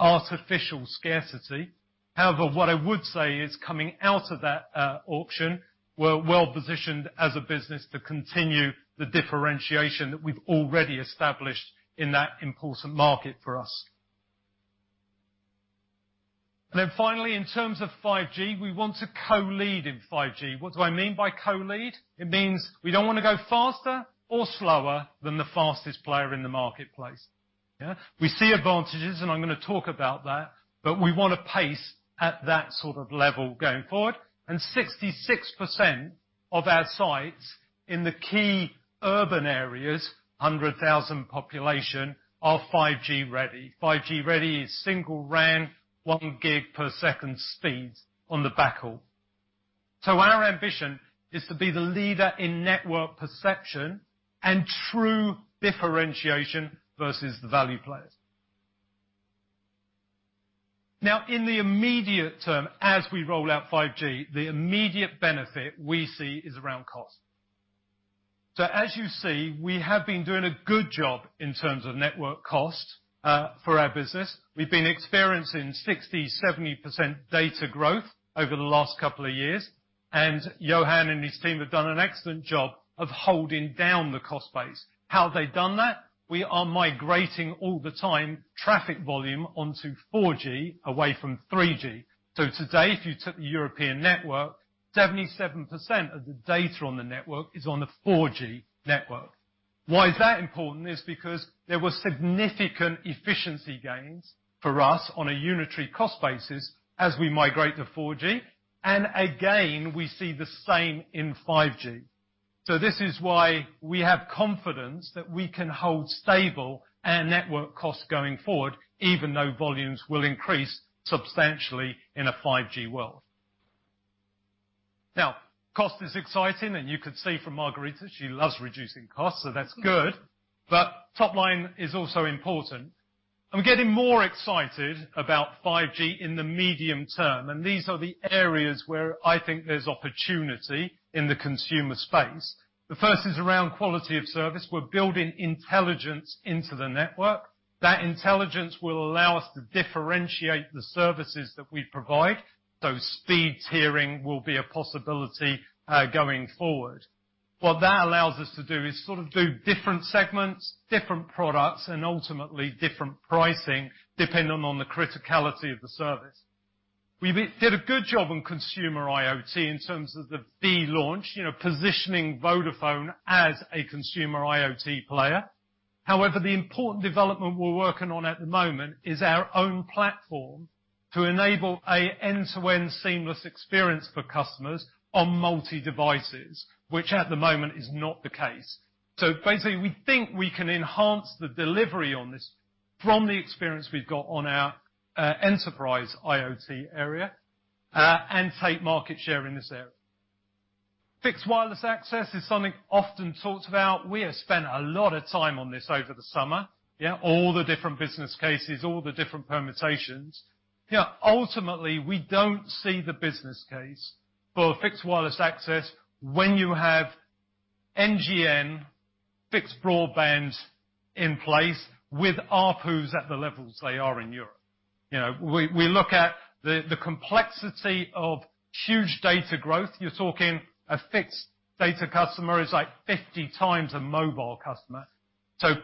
artificial scarcity. However, what I would say is coming out of that auction, we're well-positioned as a business to continue the differentiation that we've already established in that important market for us. Finally, in terms of 5G, we want to co-lead in 5G. What do I mean by co-lead? It means we don't want to go faster or slower than the fastest player in the marketplace. Yeah? We see advantages, and I'm going to talk about that, but we want to pace at that sort of level going forward. 66% of our sites in the key urban areas, 100,000 population, are 5G ready. 5G ready is SingleRAN, 1 gig per second speeds on the backhaul. Our ambition is to be the leader in network perception and true differentiation versus the value players. In the immediate term, as we roll out 5G, the immediate benefit we see is around cost. As you see, we have been doing a good job in terms of network cost, for our business. We've been experiencing 60%, 70% data growth over the last couple of years. Johan and his team have done an excellent job of holding down the cost base. How have they done that? We are migrating all the time, traffic volume onto 4G away from 3G. Today, if you took the European network, 77% of the data on the network is on the 4G network. Why is that important is because there were significant efficiency gains for us on a unitary cost basis as we migrate to 4G. Again, we see the same in 5G. This is why we have confidence that we can hold stable our network cost going forward, even though volumes will increase substantially in a 5G world. Cost is exciting, and you could see from Margherita, she loves reducing costs, so that's good. Top line is also important. I'm getting more excited about 5G in the medium term, and these are the areas where I think there's opportunity in the consumer space. The first is around quality of service. We're building intelligence into the network. That intelligence will allow us to differentiate the services that we provide. Speed tiering will be a possibility, going forward. What that allows us to do is sort of do different segments, different products, and ultimately different pricing depending on the criticality of the service. We did a good job on consumer IoT in terms of the V launch, positioning Vodafone as a consumer IoT player. However, the important development we're working on at the moment is our own platform to enable an end-to-end seamless experience for customers on multi-devices, which at the moment is not the case. Basically, we think we can enhance the delivery on this from the experience we've got on our enterprise IoT area, and take market share in this area. Fixed wireless access is something often talked about. We have spent a lot of time on this over the summer. All the different business cases, all the different permutations. Ultimately, we don't see the business case for fixed wireless access when you have NGN fixed broadband in place with ARPUs at the levels they are in Europe. We look at the complexity of huge data growth. You're talking a fixed data customer is, like, 50x a mobile customer.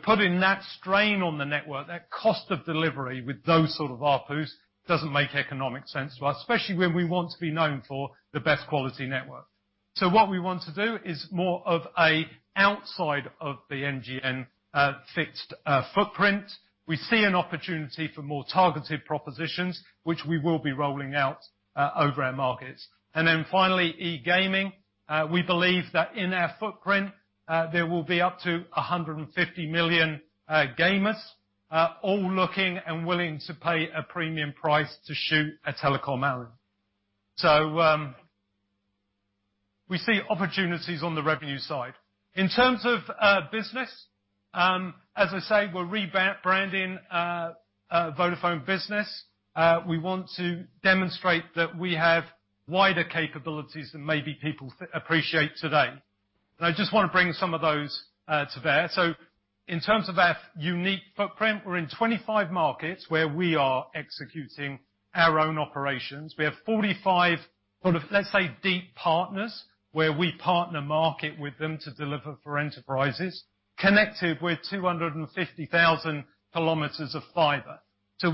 Putting that strain on the network, that cost of delivery with those sort of ARPUs, doesn't make economic sense to us, especially when we want to be known for the best quality network. What we want to do is more of a outside of the NGN fixed footprint. We see an opportunity for more targeted propositions, which we will be rolling out, over our markets. Then finally, e-gaming. We believe that in our footprint, there will be up to 150 million gamers, all looking and willing to pay a premium price to shoot a telecom arrow. We see opportunities on the revenue side. In terms of business, as I say, we're rebranding Vodafone Business. We want to demonstrate that we have wider capabilities than maybe people appreciate today. I just want to bring some of those to bear. In terms of our unique footprint, we're in 25 markets where we are executing our own operations. We have 45 sort of, let's say, deep partners where we partner market with them to deliver for enterprises, connected with 250,000 km of fiber.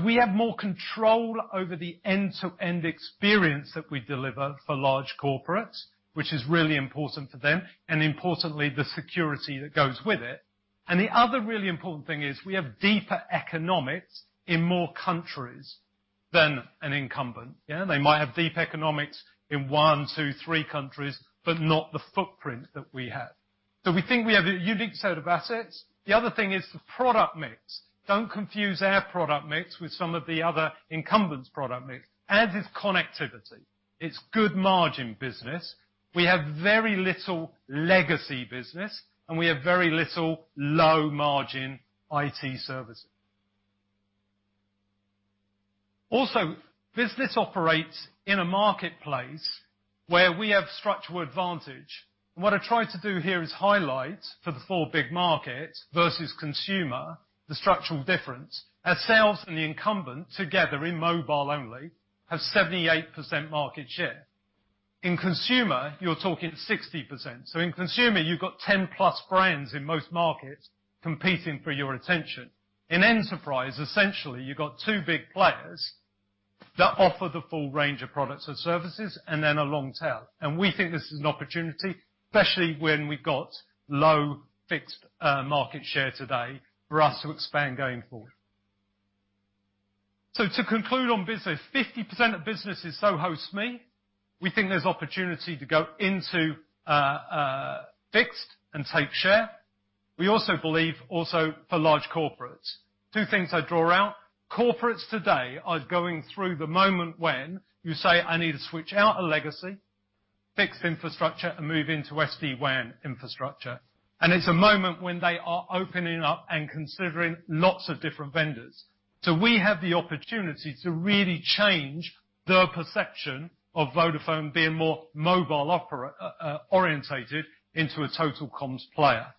We have more control over the end-to-end experience that we deliver for large corporates, which is really important for them, importantly, the security that goes with it. The other really important thing is we have deeper economics in more countries than an incumbent. They might have deep economics in one, two, three countries, but not the footprint that we have. We think we have a unique set of assets. The other thing is the product mix. Don't confuse our product mix with some of the other incumbents' product mix. Ours is connectivity. It's good margin business. We have very little legacy business, and we have very little low-margin IT services. Business operates in a marketplace where we have structural advantage. What I tried to do here is highlight, for the four big markets versus consumer, the structural difference. As sales and the incumbent together in mobile only have 78% market share. In consumer, you're talking 60%. In consumer, you've got 10-plus brands in most markets competing for your attention. In enterprise, essentially, you've got two big players that offer the full range of products and services, and then a long tail. We think this is an opportunity, especially when we've got low fixed market share today, for us to expand going forward. To conclude on business, 50% of business is SoHo SME. We think there's opportunity to go into fixed and take share. We also believe for large corporates. Two things I draw out. Corporates today are going through the moment when you say, "I need to switch out a legacy, fixed infrastructure, and move into SD-WAN infrastructure." It's a moment when they are opening up and considering lots of different vendors. We have the opportunity to really change their perception of Vodafone being more mobile-orientated into a total comms player.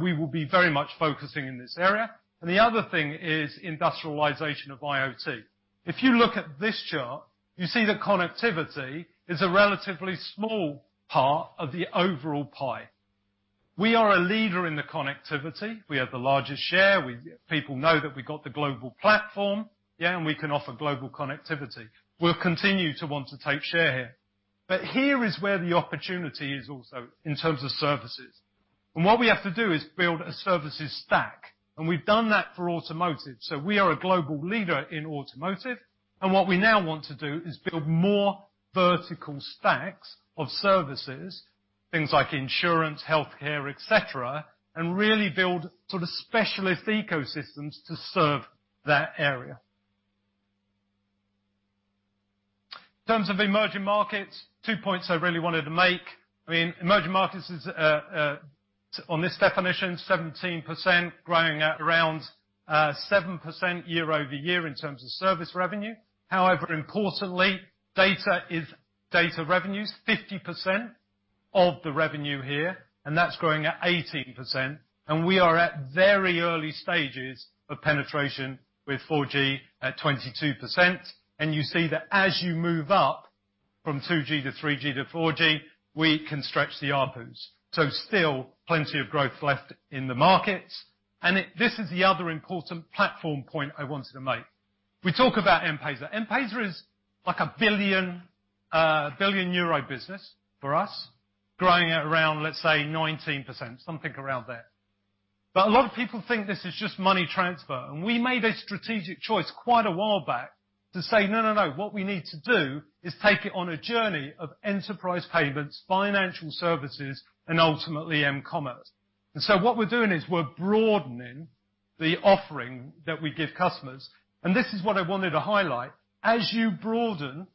We will be very much focusing in this area. The other thing is industrialization of IoT. If you look at this chart, you see that connectivity is a relatively small part of the overall pie. We are a leader in the connectivity. We have the largest share. People know that we've got the global platform, and we can offer global connectivity. We'll continue to want to take share here. Here is where the opportunity is also in terms of services. What we have to do is build a services stack, and we've done that for automotive. We are a global leader in automotive. What we now want to do is build more vertical stacks of services, things like insurance, healthcare, et cetera, and really build sort of specialist ecosystems to serve that area. In terms of emerging markets, two points I really wanted to make. Emerging markets is, on this definition, 17%, growing at around 7% year-over-year in terms of service revenue. However, importantly, data revenues, 50% of the revenue here, and that's growing at 18%. We are at very early stages of penetration with 4G at 22%. You see that as you move up from 2G to 3G to 4G, we can stretch the ARPU. Still plenty of growth left in the markets. This is the other important platform point I wanted to make. We talk about M-Pesa. M-Pesa is like a 1 billion euro business for us, growing at around, let's say, 19%, something around there. A lot of people think this is just money transfer. We made a strategic choice quite a while back to say, "No, no. What we need to do is take it on a journey of enterprise payments, financial services, and ultimately M-commerce." What we're doing is we're broadening the offering that we give customers. This is what I wanted to highlight. As you broaden,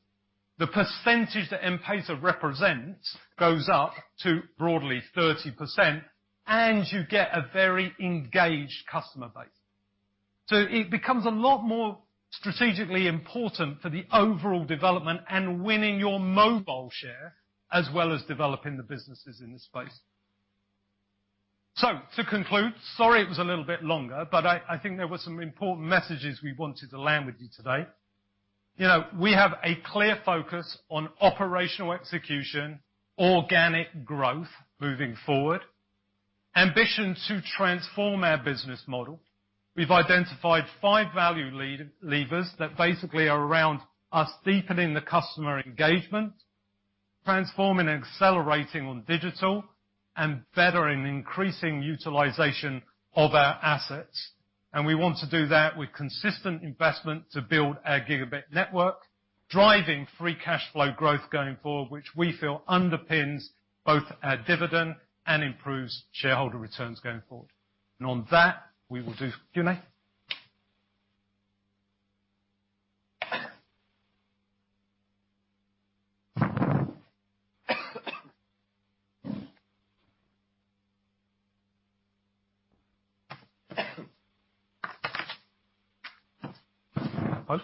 the percentage that M-Pesa represents goes up to broadly 30%, and you get a very engaged customer base. It becomes a lot more strategically important for the overall development and winning your mobile share, as well as developing the businesses in the space. To conclude, sorry it was a little bit longer, I think there were some important messages we wanted to land with you today. We have a clear focus on operational execution, organic growth moving forward, ambition to transform our business model. We've identified five value levers that basically are around us deepening the customer engagement, transforming and accelerating on digital, and bettering and increasing utilization of our assets. We want to do that with consistent investment to build our gigabit network, driving free cash flow growth going forward, which we feel underpins both our dividend and improves shareholder returns going forward. On that, Excuse me. Hello?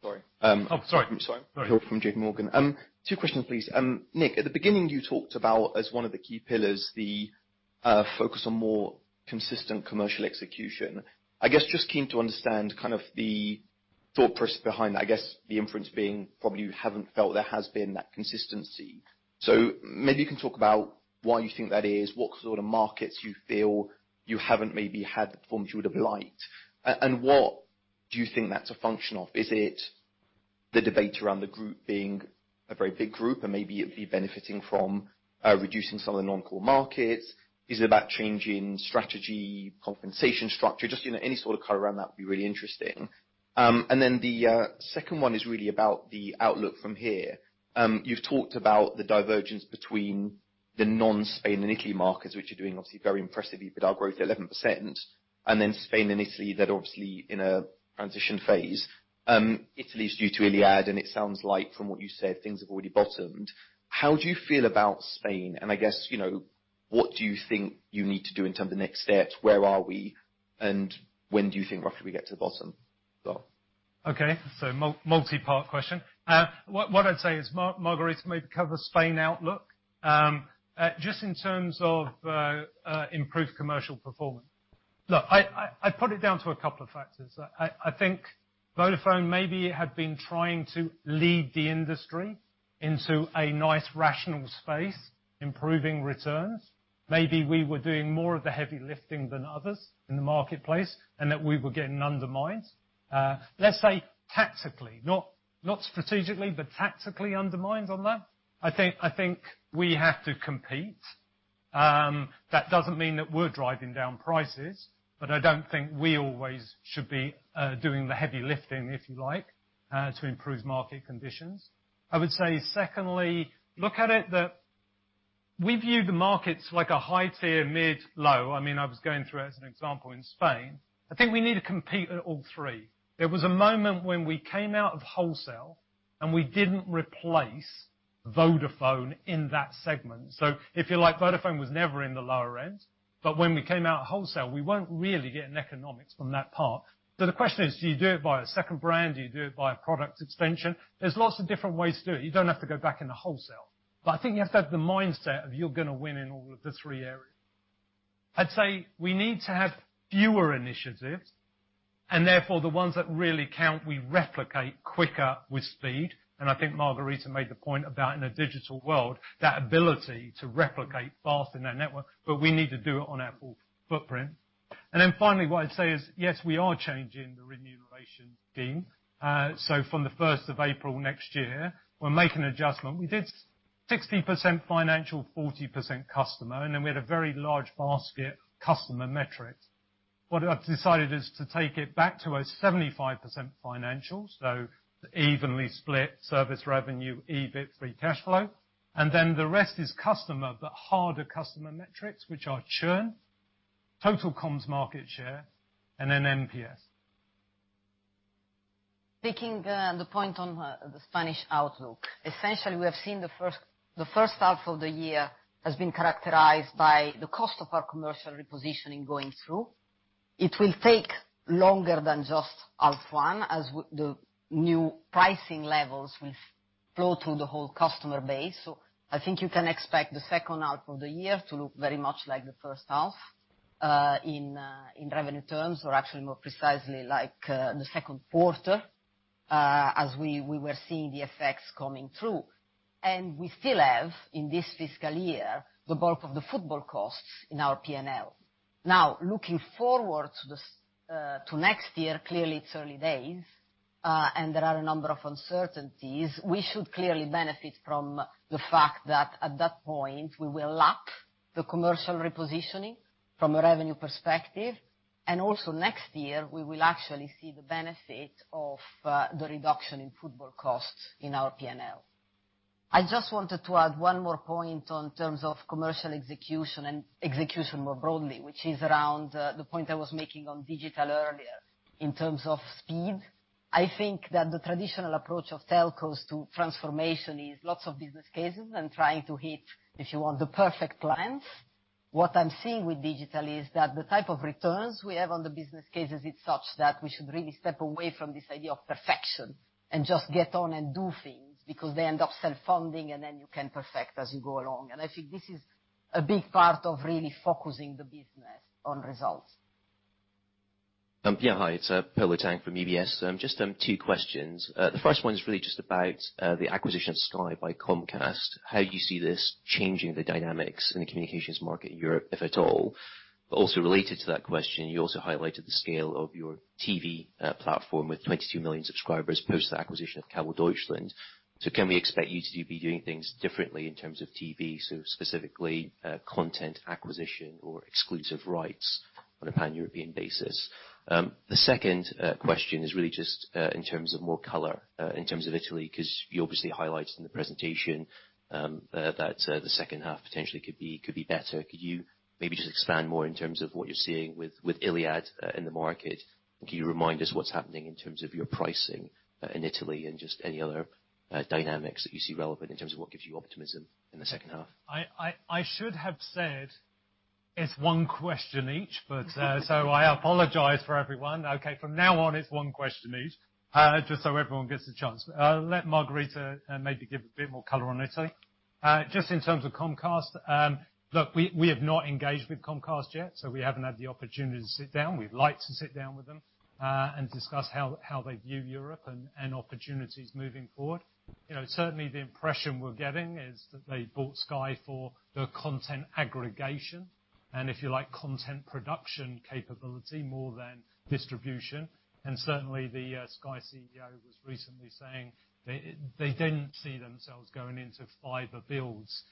Sorry. Sorry. Phil from JPMorgan. Two questions, please. Nick, at the beginning, you talked about, as one of the key pillars, the focus on more consistent commercial execution. Just keen to understand the thought process behind that. The inference being probably you haven't felt there has been that consistency. Maybe you can talk about why you think that is, what sort of markets you feel you haven't maybe had the performance you would've liked, and what do you think that's a function of? Is it the debate around the group being a very big group, and maybe it would be benefiting from reducing some of the non-core markets. Is it about changing strategy, compensation structure? Just any sort of color around that would be really interesting. The second one is really about the outlook from here. You've talked about the divergence between the non-Spain and Italy markets, which are doing obviously very impressively with outgrowth 11%, and then Spain and Italy that are obviously in a transition phase. Italy's due to Iliad, and it sounds like from what you said, things have already bottomed. How do you feel about Spain? What do you think you need to do in terms of next steps? Where are we, and when do you think roughly we get to the bottom? Multi-part question. What I'd say is, Margherita maybe cover Spain outlook. Just in terms of improved commercial performance. Look, I put it down to a couple of factors. I think Vodafone maybe had been trying to lead the industry into a nice rational space, improving returns. Maybe we were doing more of the heavy lifting than others in the marketplace, and that we were getting undermined. Let's say tactically, not strategically, but tactically undermined on that. I think we have to compete. That doesn't mean that we're driving down prices, but I don't think we always should be doing the heavy lifting, if you like, to improve market conditions. I would say, secondly, look at it that we view the markets like a high tier, mid, low. I was going through as an example in Spain. I think we need to compete at all three. There was a moment when we came out of wholesale, and we didn't replace Vodafone in that segment. If you like, Vodafone was never in the lower end, but when we came out wholesale, we weren't really getting economics from that part. The question is, do you do it via a second brand? Do you do it via product extension? There's lots of different ways to do it. You don't have to go back into wholesale. I think you have to have the mindset of you're going to win in all of the three areas. I'd say we need to have fewer initiatives, and therefore, the ones that really count, we replicate quicker with speed. I think Margherita made the point about in a digital world, that ability to replicate fast in that network, but we need to do it on our full footprint. Finally, what I'd say is, yes, we are changing the remuneration theme. From the 1st of April next year, we'll make an adjustment. We did 60% financial, 40% customer, and then we had a very large basket customer metric. What I've decided is to take it back to a 75% financial, so evenly split service revenue, EBIT, free cash flow. The rest is customer, but harder customer metrics, which are churn, total comms market share, and then NPS. Taking the point on the Spanish outlook. Essentially, we have seen the first half of the year has been characterized by the cost of our commercial repositioning going through. It will take longer than just half one as the new pricing levels will flow through the whole customer base. I think you can expect the second half of the year to look very much like the first half, in revenue terms, or actually more precisely like, the second quarter, as we were seeing the effects coming through. We still have, in this fiscal year, the bulk of the football costs in our P&L. Looking forward to next year, clearly it's early days, and there are a number of uncertainties. We should clearly benefit from the fact that at that point, we will lap the commercial repositioning from a revenue perspective. Also next year, we will actually see the benefit of the reduction in football costs in our P&L. I just wanted to add one more point on terms of commercial execution and execution more broadly, which is around the point I was making on digital earlier in terms of speed. I think that the traditional approach of telcos to transformation is lots of business cases and trying to hit, if you want, the perfect plans. What I'm seeing with digital is that the type of returns we have on the business cases is such that we should really step away from this idea of perfection and just get on and do things, because they end up self-funding, and then you can perfect as you go along. I think this is a big part of really focusing the business on results. Hi. It's Polo Tang from UBS. Just two questions. The first one is really just about the acquisition of Sky by Comcast, how you see this changing the dynamics in the communications market in Europe, if at all. Also related to that question, you also highlighted the scale of your TV platform with 22 million subscribers post the acquisition of Kabel Deutschland. Can we expect you to be doing things differently in terms of TV? Specifically, content acquisition or exclusive rights on a pan-European basis. The second question is really just in terms of more color, in terms of Italy, because you obviously highlighted in the presentation, that the second half potentially could be better. Could you maybe just expand more in terms of what you're seeing with Iliad in the market? Can you remind us what is happening in terms of your pricing, in Italy and just any other dynamics that you see relevant in terms of what gives you optimism in the second half? I should have said it is one question each, so I apologize for everyone. Okay. From now on, it is one question each, just so everyone gets a chance. I will let Margherita maybe give a bit more color on Italy. Just in terms of Comcast. Look, we have not engaged with Comcast yet, so we have not had the opportunity to sit down. We would like to sit down with them, and discuss how they view Europe and opportunities moving forward. Certainly, the impression we are getting is that they bought Sky for the content aggregation, and if you like, content production capability more than-Distribution. Certainly, the Sky CEO was recently saying they did not see themselves going into fiber builds,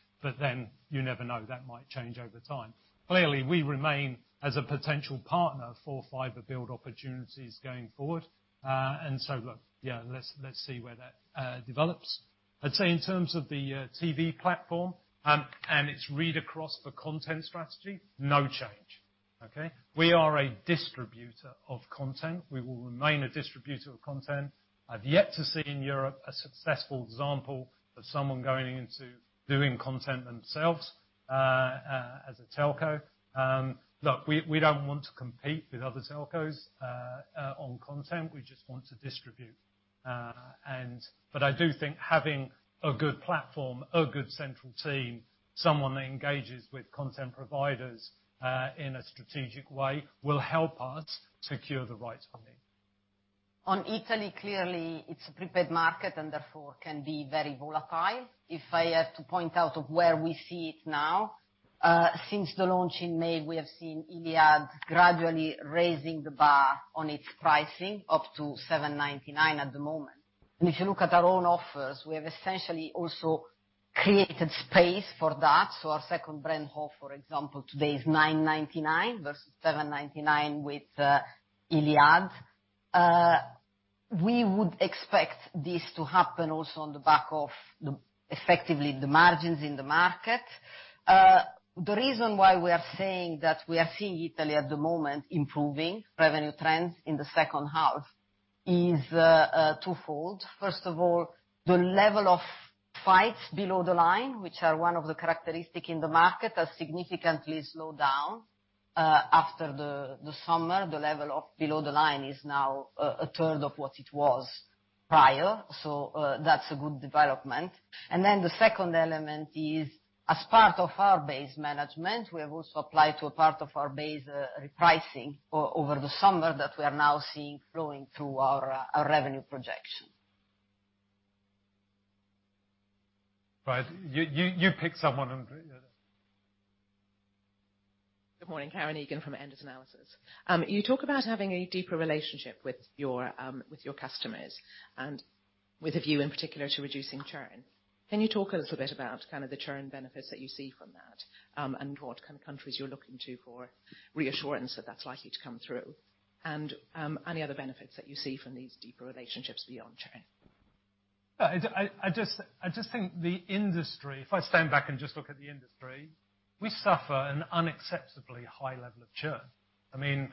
you never know, that might change over time. Clearly, we remain as a potential partner for fiber build opportunities going forward. Look, yeah, let us see where that develops. I would say in terms of the TV platform and its read across for content strategy, no change. Okay. We are a distributor of content. We will remain a distributor of content. I have yet to see, in Europe, a successful example of someone going into doing content themselves, as a telco. Look, we do not want to compete with other telcos on content. We just want to distribute. I do think having a good platform, a good central team, someone that engages with content providers in a strategic way, will help us to cure the right funding. On Italy, clearly it is a prepaid market and therefore can be very volatile. If I have to point out of where we see it now, since the launch in May, we have seen Iliad gradually raising the bar on its pricing up to 7.99 at the moment. If you look at our own offers, we have essentially also created space for that. So our second brand, ho., for example, today is 9.99 versus 7.99 with Iliad. We would expect this to happen also on the back of effectively the margins in the market. The reason why we are saying that we are seeing Italy at the moment improving revenue trends in the second half is twofold. First of all, the level of fights below the line, which are one of the characteristic in the market, has significantly slowed down after the summer. The level of below the line is now a third of what it was prior. That's a good development. The second element is, as part of our base management, we have also applied to a part of our base repricing over the summer that we are now seeing flowing through our revenue projection. Right. You pick someone and yeah. Good morning. Karen Egan from Enders Analysis. You talk about having a deeper relationship with your customers and with a view in particular to reducing churn. Can you talk a little bit about the churn benefits that you see from that? What kind of countries you're looking to for reassurance that that's likely to come through? Any other benefits that you see from these deeper relationships beyond churn? I just think the industry, if I stand back and just look at the industry, we suffer an unacceptably high level of churn.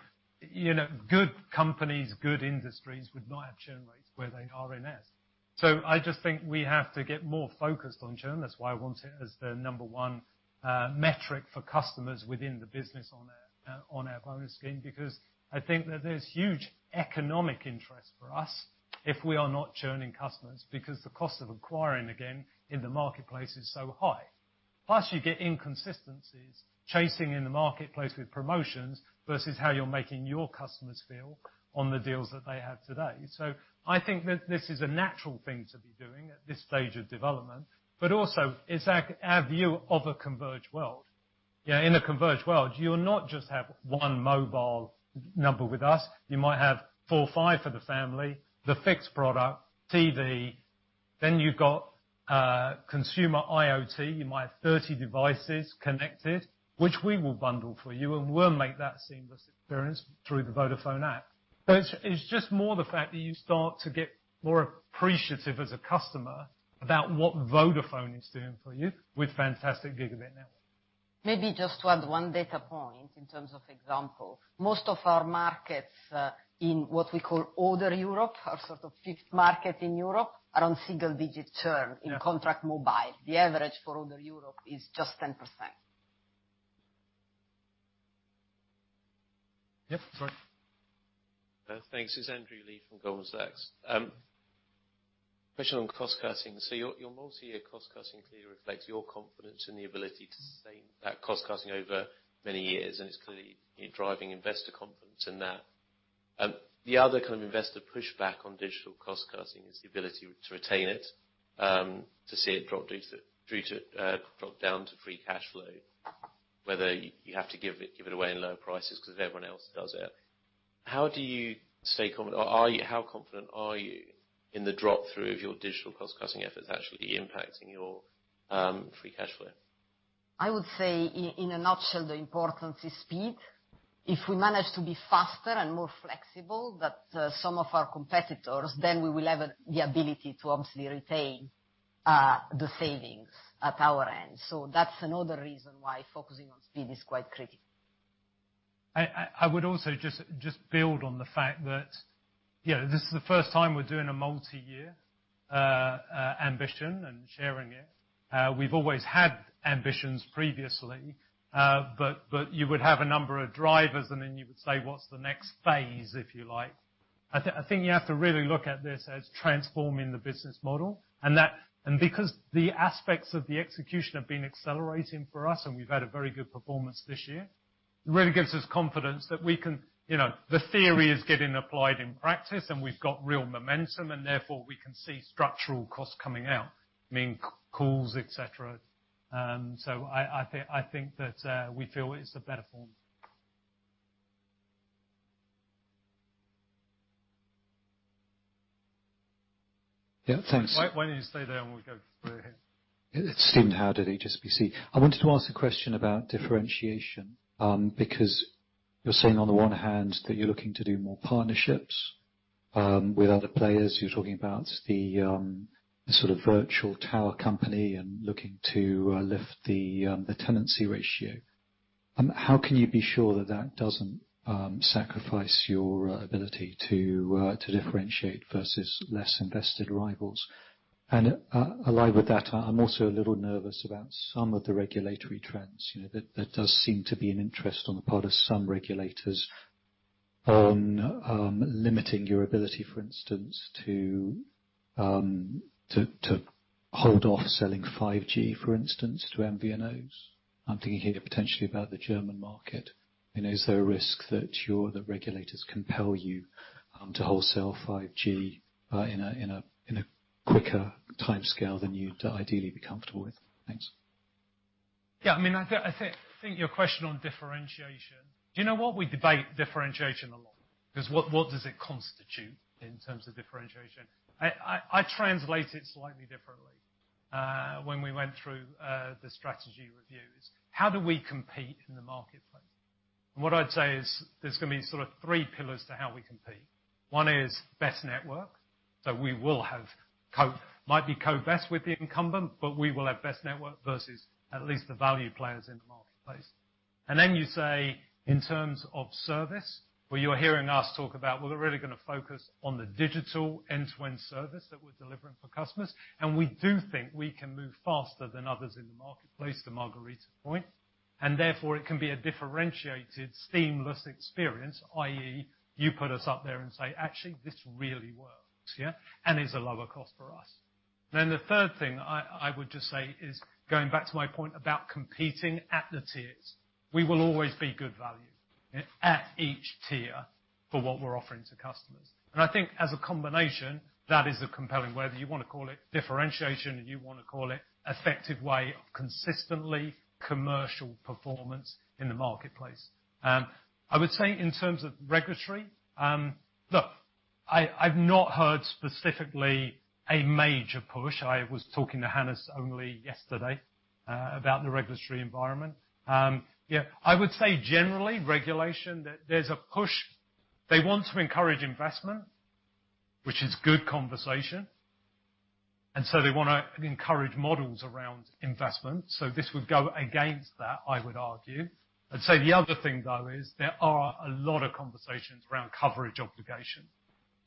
Good companies, good industries would not have churn rates where they are in S. I just think we have to get more focused on churn. That's why I want it as the number one metric for customers within the business on our bonus scheme, because I think that there's huge economic interest for us if we are not churning customers, because the cost of acquiring again in the marketplace is so high. Plus you get inconsistencies chasing in the marketplace with promotions versus how you're making your customers feel on the deals that they have today. I think this is a natural thing to be doing at this stage of development, but also it's our view of a converged world. In a converged world, you'll not just have one mobile number with us. You might have four or five for the family, the fixed product, TV, then you've got consumer IoT. You might have 30 devices connected, which we will bundle for you and we'll make that seamless experience through the Vodafone app. It's just more the fact that you start to get more appreciative as a customer about what Vodafone is doing for you with fantastic gigabit network. Maybe just to add one data point in terms of example. Most of our markets, in what we call older Europe, our sort of fifth market in Europe, are on single digit churn- in contract mobile. The average for older Europe is just 10%. Yep. Right. Thanks. It's Andrew Lee from Goldman Sachs. Question on cost cutting. Your multi-year cost cutting clearly reflects your confidence in the ability to sustain that cost cutting over many years, and it's clearly driving investor confidence in that. The other kind of investor pushback on digital cost cutting is the ability to retain it, to see it drop down to free cash flow. Whether you have to give it away in low prices because everyone else does it. How confident are you in the drop through of your digital cost cutting efforts actually impacting your free cash flow? I would say in a nutshell, the importance is speed. If we manage to be faster and more flexible than some of our competitors, then we will have the ability to obviously retain the savings at our end. That's another reason why focusing on speed is quite critical. I would also just build on the fact that this is the first time we're doing a multi-year ambition and sharing it. We've always had ambitions previously, you would have a number of drivers and then you would say, "What's the next phase," if you like. I think you have to really look at this as transforming the business model, because the aspects of the execution have been accelerating for us and we've had a very good performance this year, it really gives us confidence that the theory is getting applied in practice and we've got real momentum, and therefore we can see structural costs coming out, meaning calls, et cetera. I think that we feel it's the better form. Yeah, thanks. Why don't you stay there and we go through here? It's Stephen Malcolm at HSBC. I wanted to ask a question about differentiation, because you're saying on the one hand that you're looking to do more partnerships with other players. You're talking about the sort of virtual tower company and looking to lift the tenancy ratio. How can you be sure that that doesn't sacrifice your ability to differentiate versus less invested rivals? Allied with that, I'm also a little nervous about some of the regulatory trends. You know, there does seem to be an interest on the part of some regulators on limiting your ability, for instance, to hold off selling 5G, for instance, to MVNO. I'm thinking here potentially about the German market. You know, is there a risk that regulators compel you to wholesale 5G in a quicker timescale than you'd ideally be comfortable with? Thanks. Yeah, I think your question on differentiation. Do you know what? We debate differentiation a lot because what does it constitute in terms of differentiation? I translate it slightly differently. When we went through the strategy reviews, how do we compete in the marketplace? What I'd say is there's going to be sort of three pillars to how we compete. One is best network. We will have, might be co-best with the incumbent, but we will have best network versus at least the value players in the marketplace. You say, in terms of service, where you're hearing us talk about, well, we're really going to focus on the digital end-to-end service that we're delivering for customers. We do think we can move faster than others in the marketplace, the Margherita point, and therefore it can be a differentiated, seamless experience, i.e., you put us up there and say, "Actually, this really works." Yeah. It is a lower cost for us. The third thing I would just say is, going back to my point about competing at the tiers. We will always be good value at each tier for what we're offering to customers. I think as a combination, that is a compelling, whether you want to call it differentiation, or you want to call it effective way of consistently commercial performance in the marketplace. I would say in terms of regulatory, look, I've not heard specifically a major push. I was talking to Hannes only yesterday about the regulatory environment. Yeah, I would say generally regulation, there's a push. They want to encourage investment, which is good conversation, and so they want to encourage models around investment. This would go against that, I would argue. I'd say the other thing, though, is there are a lot of conversations around coverage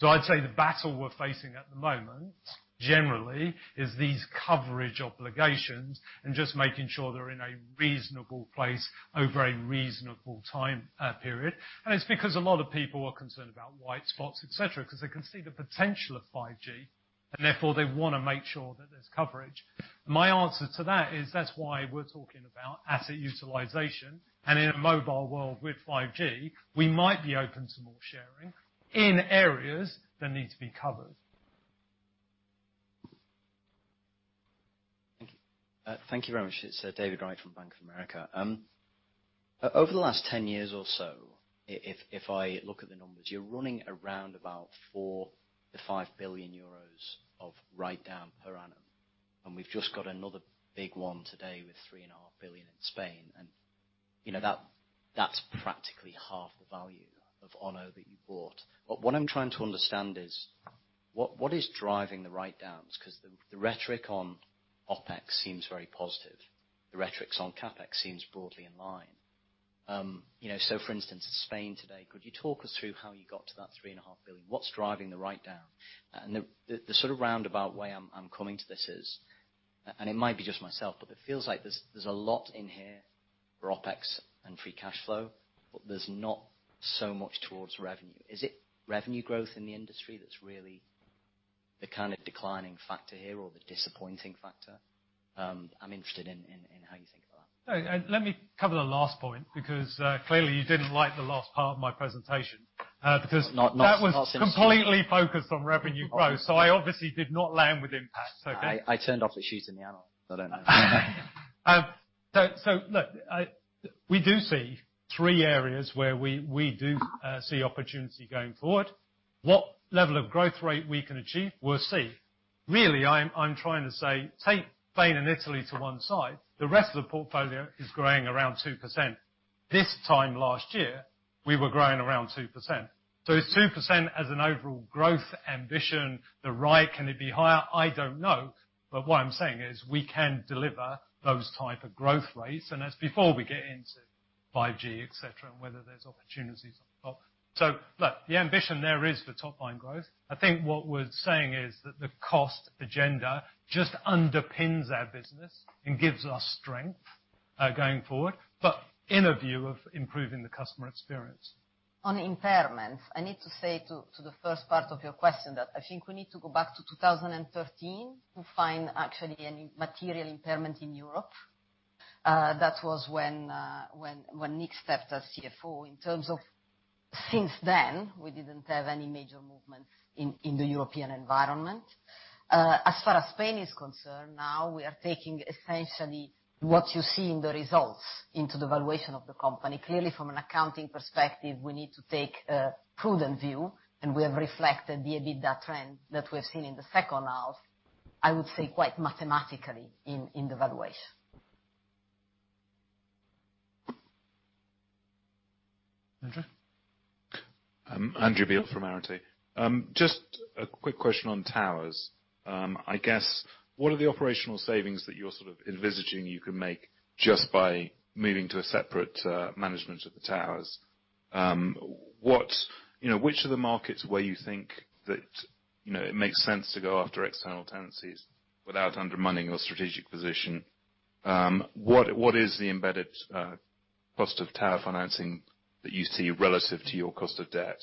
obligation. I'd say the battle we're facing at the moment, generally, is these coverage obligations and just making sure they're in a reasonable place over a reasonable time period. It is because a lot of people are concerned about white spots, et cetera, because they can see the potential of 5G, and therefore they want to make sure that there's coverage. My answer to that is that's why we're talking about asset utilization. In a mobile world with 5G, we might be open to more sharing in areas that need to be covered. Thank you. Thank you very much. It is David Wright from Bank of America. Over the last 10 years or so, if I look at the numbers, you're running around about 4 billion to 5 billion euros of write-down per annum. We've just got another big one today with 3.5 billion in Spain. That's practically half the value of Ono that you bought. What I'm trying to understand is what is driving the write-downs? Because the rhetoric on OpEx seems very positive. The rhetorics on CapEx seems broadly in line. So for instance, Spain today, could you talk us through how you got to that 3.5 billion? What's driving the write-down? The sort of roundabout way I'm coming to this is, and it might be just myself, but it feels like there's a lot in here for OpEx and free cash flow, but there's not so much towards revenue. Is it revenue growth in the industry that's really the kind of declining factor here or the disappointing factor? I'm interested in how you think about that. Let me cover the last point, because clearly you didn't like the last part of my presentation. Not. that was completely focused on revenue growth, so I obviously did not land with impact, okay? I turned off at shoes in the animal. I don't know. Look, we do see three areas where we do see opportunity going forward. What level of growth rate we can achieve, we'll see. Really, I'm trying to say take Spain and Italy to one side. The rest of the portfolio is growing around 2%. This time last year, we were growing around 2%. It's 2% as an overall growth ambition. The right, can it be higher? I don't know. What I'm saying is we can deliver those type of growth rates, and that's before we get into 5G, et cetera, and whether there's opportunities on the top. Look, the ambition there is for top-line growth. I think what we're saying is that the cost agenda just underpins our business and gives us strength going forward, but in a view of improving the customer experience. On impairments, I need to say to the first part of your question that I think we need to go back to 2013 to find actually any material impairment in Europe. That was when Nick stepped as CFO. Since then, we didn't have any major movements in the European environment. As far as Spain is concerned, now we are taking essentially what you see in the results into the valuation of the company. Clearly, from an accounting perspective, we need to take a prudent view, and we have reflected the EBITDA trend that we've seen in the second half, I would say quite mathematically in the valuation. Andrew? Andrew Beal from Arete. Just a quick question on towers. I guess, what are the operational savings that you're envisaging you can make just by moving to a separate management of the towers? Which are the markets where you think that it makes sense to go after external tenancies without undermining your strategic position? What is the embedded cost of tower financing that you see relative to your cost of debt?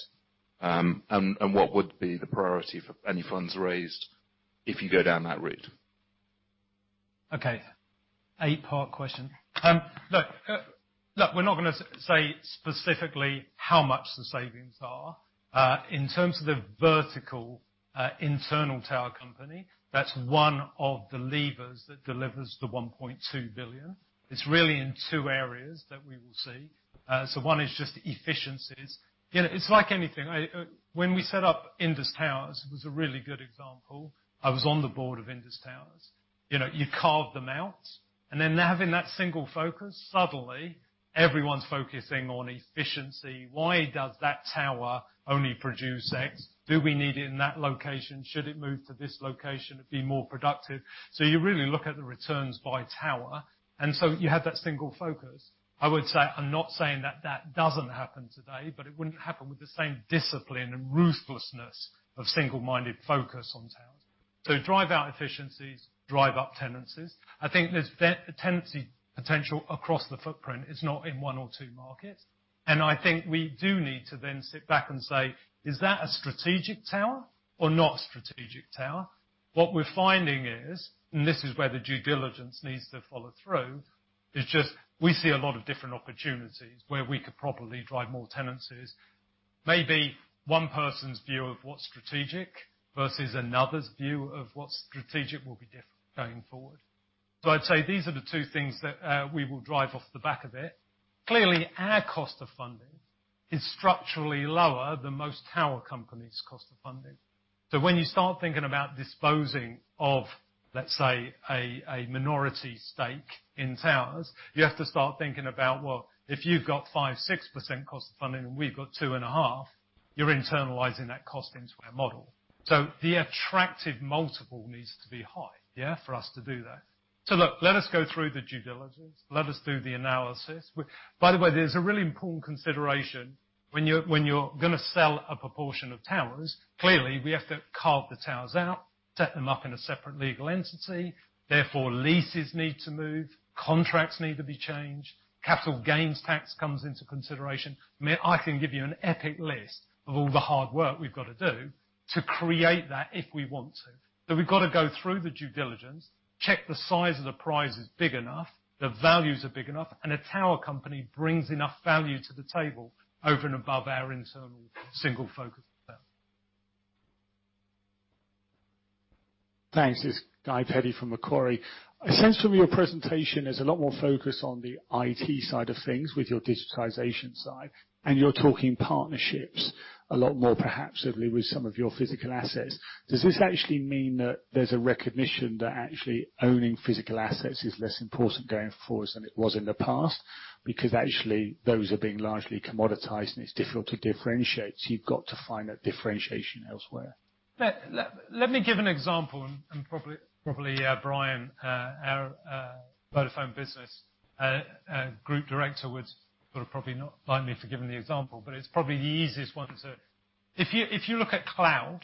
What would be the priority for any funds raised if you go down that route? Okay. Eight-part question. Look, we're not going to say specifically how much the savings are. In terms of the vertical internal tower company, that's one of the levers that delivers the 1.2 billion. It's really in two areas that we will see. One is just efficiencies. It's like anything. When we set up Indus Towers, it was a really good example. I was on the board of Indus Towers. You carve them out, having that single focus, suddenly everyone's focusing on efficiency. Why does that tower only produce X? Do we need it in that location? Should it move to this location, it'd be more productive. You really look at the returns by tower, you have that single focus. I would say, I'm not saying that that doesn't happen today, but it wouldn't happen with the same discipline and ruthlessness of single-minded focus on towers. Drive out efficiencies, drive up tenancies. I think there's tenancy potential across the footprint. It's not in one or two markets. I think we do need to then sit back and say, is that a strategic tower or not a strategic tower? What we're finding is, this is where the due diligence needs to follow through, is just we see a lot of different opportunities where we could probably drive more tenancies. Maybe one person's view of what's strategic versus another's view of what's strategic will be different going forward. I'd say these are the two things that we will drive off the back of it. Clearly, our cost of funding is structurally lower than most tower companies' cost of funding. When you start thinking about disposing of, let's say, a minority stake in towers, you have to start thinking about, well, if you've got 5%, 6% cost of funding and we've got 2.5%, you're internalizing that cost into our model. The attractive multiple needs to be high, yeah, for us to do that. Look, let us go through the due diligence. Let us do the analysis. By the way, there's a really important consideration when you're going to sell a proportion of towers. Clearly, we have to carve the towers out, set them up in a separate legal entity. Therefore, leases need to move, contracts need to be changed, capital gains tax comes into consideration. I can give you an epic list of all the hard work we've got to do to create that if we want to. We've got to go through the due diligence, check the size of the prize is big enough, the values are big enough, a tower company brings enough value to the table over and above our internal single focus there. Thanks. It's Guy Peddy from Macquarie. I sense from your presentation, there's a lot more focus on the IT side of things with your digitization side. You're talking partnerships a lot more, perhaps, with some of your physical assets. Does this actually mean that there's a recognition that actually owning physical assets is less important going forward than it was in the past? Actually those are being largely commoditized and it's difficult to differentiate, you've got to find that differentiation elsewhere. Let me give an example. Probably Brian, our Vodafone Business Group Director would probably not like me for giving the example, but it's probably the easiest one to. If you look at cloud,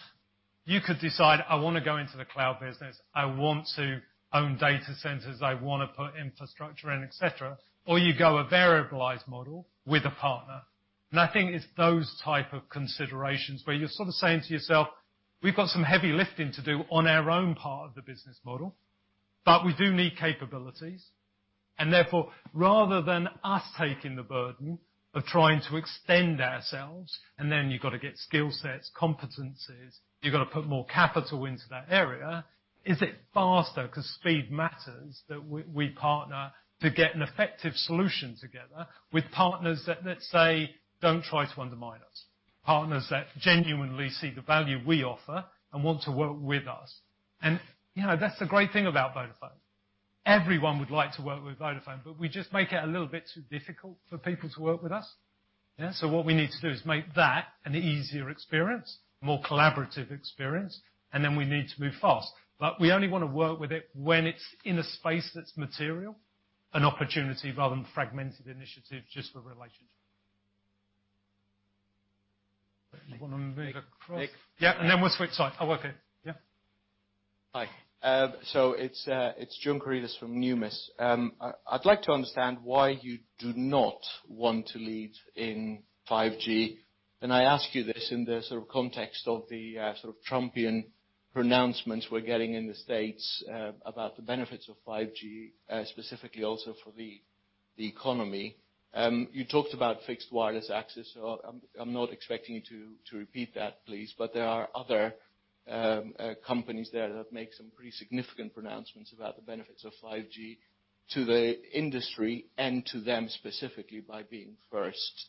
you could decide, I want to go into the cloud business. I want to own data centers, I want to put infrastructure in, et cetera. You go a variablized model with a partner. I think it's those type of considerations where you're sort of saying to yourself, we've got some heavy lifting to do on our own part of the business model, but we do need capabilities. Therefore, rather than us taking the burden of trying to extend ourselves, then you've got to get skill sets, competencies, you've got to put more capital into that area. Is it faster, because speed matters, that we partner to get an effective solution together with partners that, let's say, don't try to undermine us. Partners that genuinely see the value we offer and want to work with us. That's the great thing about Vodafone. Everyone would like to work with Vodafone, we just make it a little bit too difficult for people to work with us. Yeah? What we need to do is make that an easier experience, more collaborative experience, we need to move fast. We only want to work with it when it's in a space that's material, an opportunity rather than fragmented initiative just for relationship. You want to move across? Nick. Yeah, we'll switch side. Oh, okay. Yeah. Hi. It's John Karidis from Numis. I'd like to understand why you do not want to lead in 5G. I ask you this in the sort of context of the sort of Trumpian Pronouncements we're getting in the U.S. about the benefits of 5G, specifically also for the economy. You talked about fixed wireless access. I'm not expecting you to repeat that, please, there are other companies there that make some pretty significant pronouncements about the benefits of 5G to the industry and to them specifically by being first.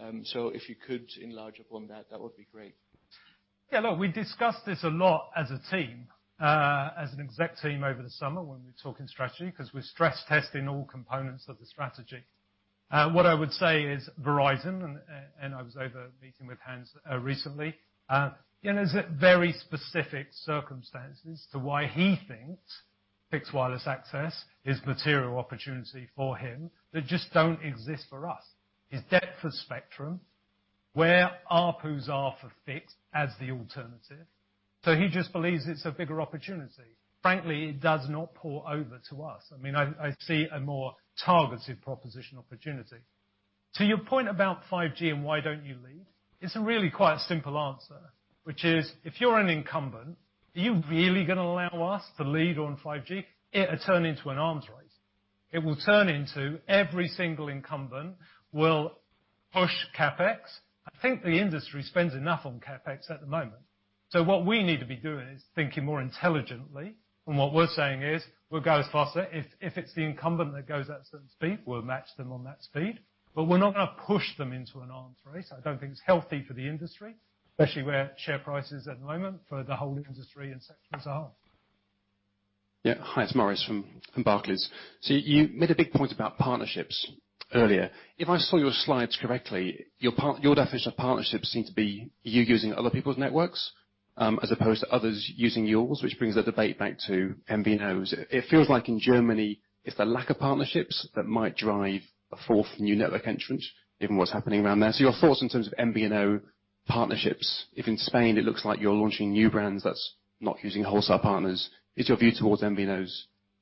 If you could enlarge upon that would be great. Yeah, look, we discussed this a lot as a team, as an Exec team over the summer when we were talking strategy, because we're stress testing all components of the strategy. What I would say is Verizon. I was over meeting with Hans recently. Again, there's very specific circumstances to why he thinks fixed wireless access is material opportunity for him that just don't exist for us. His depth of spectrum, where ARPUs are for fixed as the alternative. He just believes it's a bigger opportunity. Frankly, it does not port over to us. I see a more targeted proposition opportunity. To your point about 5G and why don't you lead, it's a really quite simple answer, which is, if you're an incumbent, are you really going to allow us to lead on 5G? It'll turn into an arms race. It will turn into every single incumbent will push CapEx. I think the industry spends enough on CapEx at the moment. What we need to be doing is thinking more intelligently, what we're saying is we'll go as fast. If it's the incumbent that goes at a certain speed, we'll match them on that speed. We're not going to push them into an arms race. I don't think it's healthy for the industry, especially where share prices at the moment for the whole industry and sectors are. Yeah. Hi, it's Maurice from Barclays. You made a big point about partnerships earlier. If I saw your slides correctly, your definition of partnerships seem to be you using other people's networks, as opposed to others using yours, which brings the debate back to MVNOs. It feels like in Germany, it's the lack of partnerships that might drive a fourth new network entrant, given what's happening around there. Your thoughts in terms of MVNO partnerships. If in Spain it looks like you're launching new brands that's not using wholesale partners, is your view towards MVNOs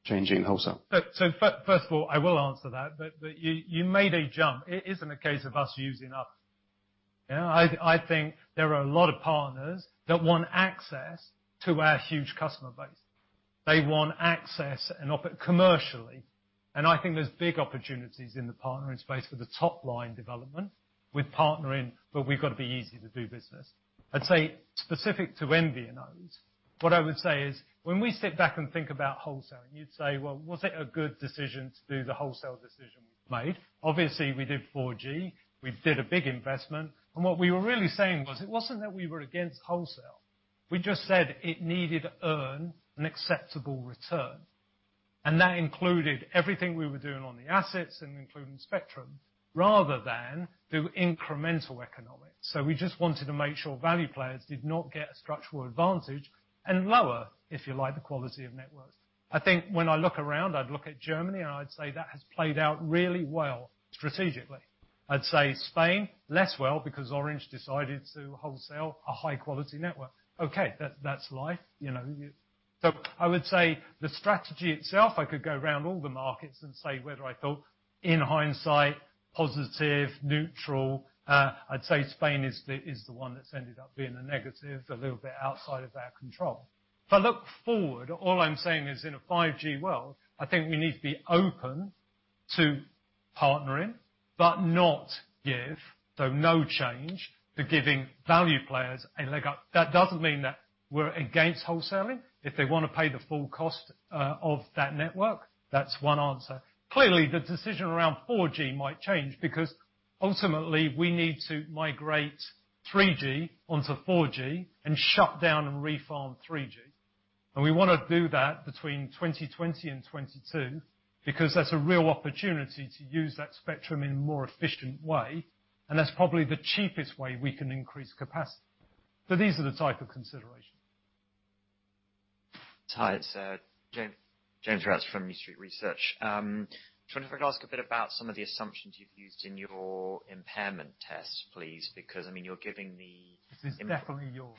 changing wholesale? First of all, I will answer that, but you made a jump. It isn't a case of us using us. I think there are a lot of partners that want access to our huge customer base. They want access commercially, I think there's big opportunities in the partnering space for the top-line development with partnering, but we've got to be easy to do business. I'd say specific to MVNO, what I would say is, when we sit back and think about wholesaling, you'd say, "Well, was it a good decision to do the wholesale decision we've made?" Obviously, we did 4G. We did a big investment. What we were really saying was, it wasn't that we were against wholesale. We just said it needed to earn an acceptable return. That included everything we were doing on the assets and including spectrum, rather than do incremental economics. We just wanted to make sure value players did not get a structural advantage and lower, if you like, the quality of networks. I think when I look around, I'd look at Germany and I'd say that has played out really well strategically. I'd say Spain less well because Orange decided to wholesale a high-quality network. Okay, that's life. I would say the strategy itself, I could go around all the markets and say whether I felt in hindsight, positive, neutral. I'd say Spain is the one that's ended up being a negative, a little bit outside of our control. If I look forward, all I'm saying is in a 5G world, I think we need to be open to partnering but not give, no change to giving value players a leg up. That doesn't mean that we're against wholesaling. If they want to pay the full cost of that network, that's one answer. Clearly, the decision around 4G might change because ultimately we need to migrate 3G onto 4G and shut down and reform 3G. We want to do that between 2020 and 2022 because that's a real opportunity to use that spectrum in a more efficient way, and that's probably the cheapest way we can increase capacity. These are the type of considerations. Hi, it's James Ratzer from New Street Research. I just wanted to ask a bit about some of the assumptions you've used in your impairment tests, please, because you're giving the This is definitely yours.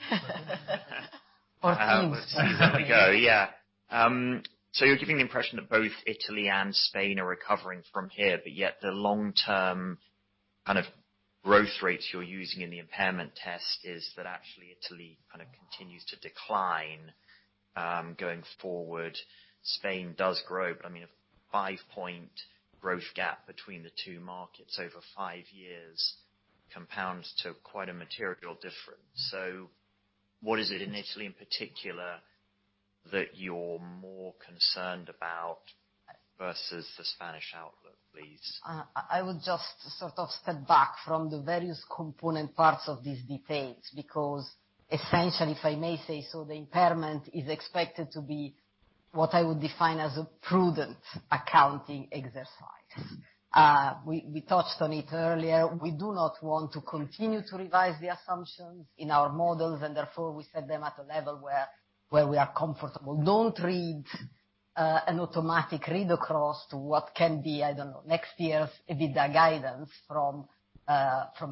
I know. Yeah. You're giving the impression that both Italy and Spain are recovering from here, yet the long-term growth rates you're using in the impairment test is that actually Italy continues to decline going forward. Spain does grow, but a five-point growth gap between the two markets over five years compounds to quite a material difference. What is it in Italy in particular that you're more concerned about versus the Spanish outlook, please? I would just sort of step back from the various component parts of these debates because essentially, if I may say so, the impairment is expected to be what I would define as a prudent accounting exercise. We touched on it earlier. We do not want to continue to revise the assumptions in our models, and therefore we set them at a level where we are comfortable. Don't read an automatic read across to what can be, I don't know, next year's EBITDA guidance from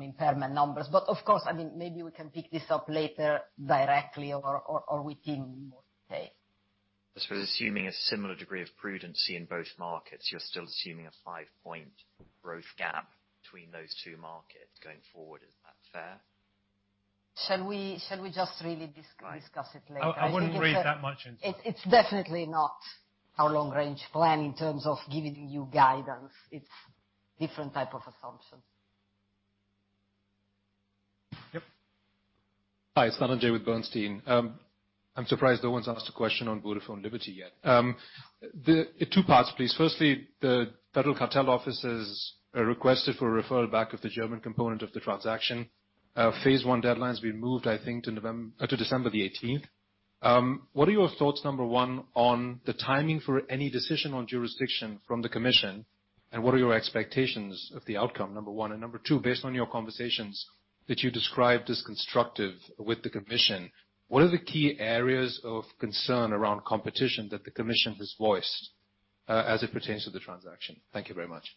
impairment numbers. Of course, maybe we can pick this up later directly or within more detail. I suppose assuming a similar degree of prudency in both markets, you're still assuming a five-point growth gap between those two markets going forward. Is that fair? Shall we just really discuss it later? I wouldn't read that much into it. It's definitely not our long-range plan in terms of giving you guidance. It's different type of assumptions. Yep. Hi, it's Tandon Jay with Bernstein. I'm surprised no one's asked a question on Vodafone Liberty yet. Two parts, please. Firstly, the Federal Cartel Office has requested for a referral back of the German component of the transaction. Phase 1 deadline's been moved, I think, to December the 18th. What are your thoughts, number one, on the timing for any decision on jurisdiction from the Commission, and what are your expectations of the outcome, number one? Number two, based on your conversations that you described as constructive with the Commission, what are the key areas of concern around competition that the Commission has voiced as it pertains to the transaction? Thank you very much.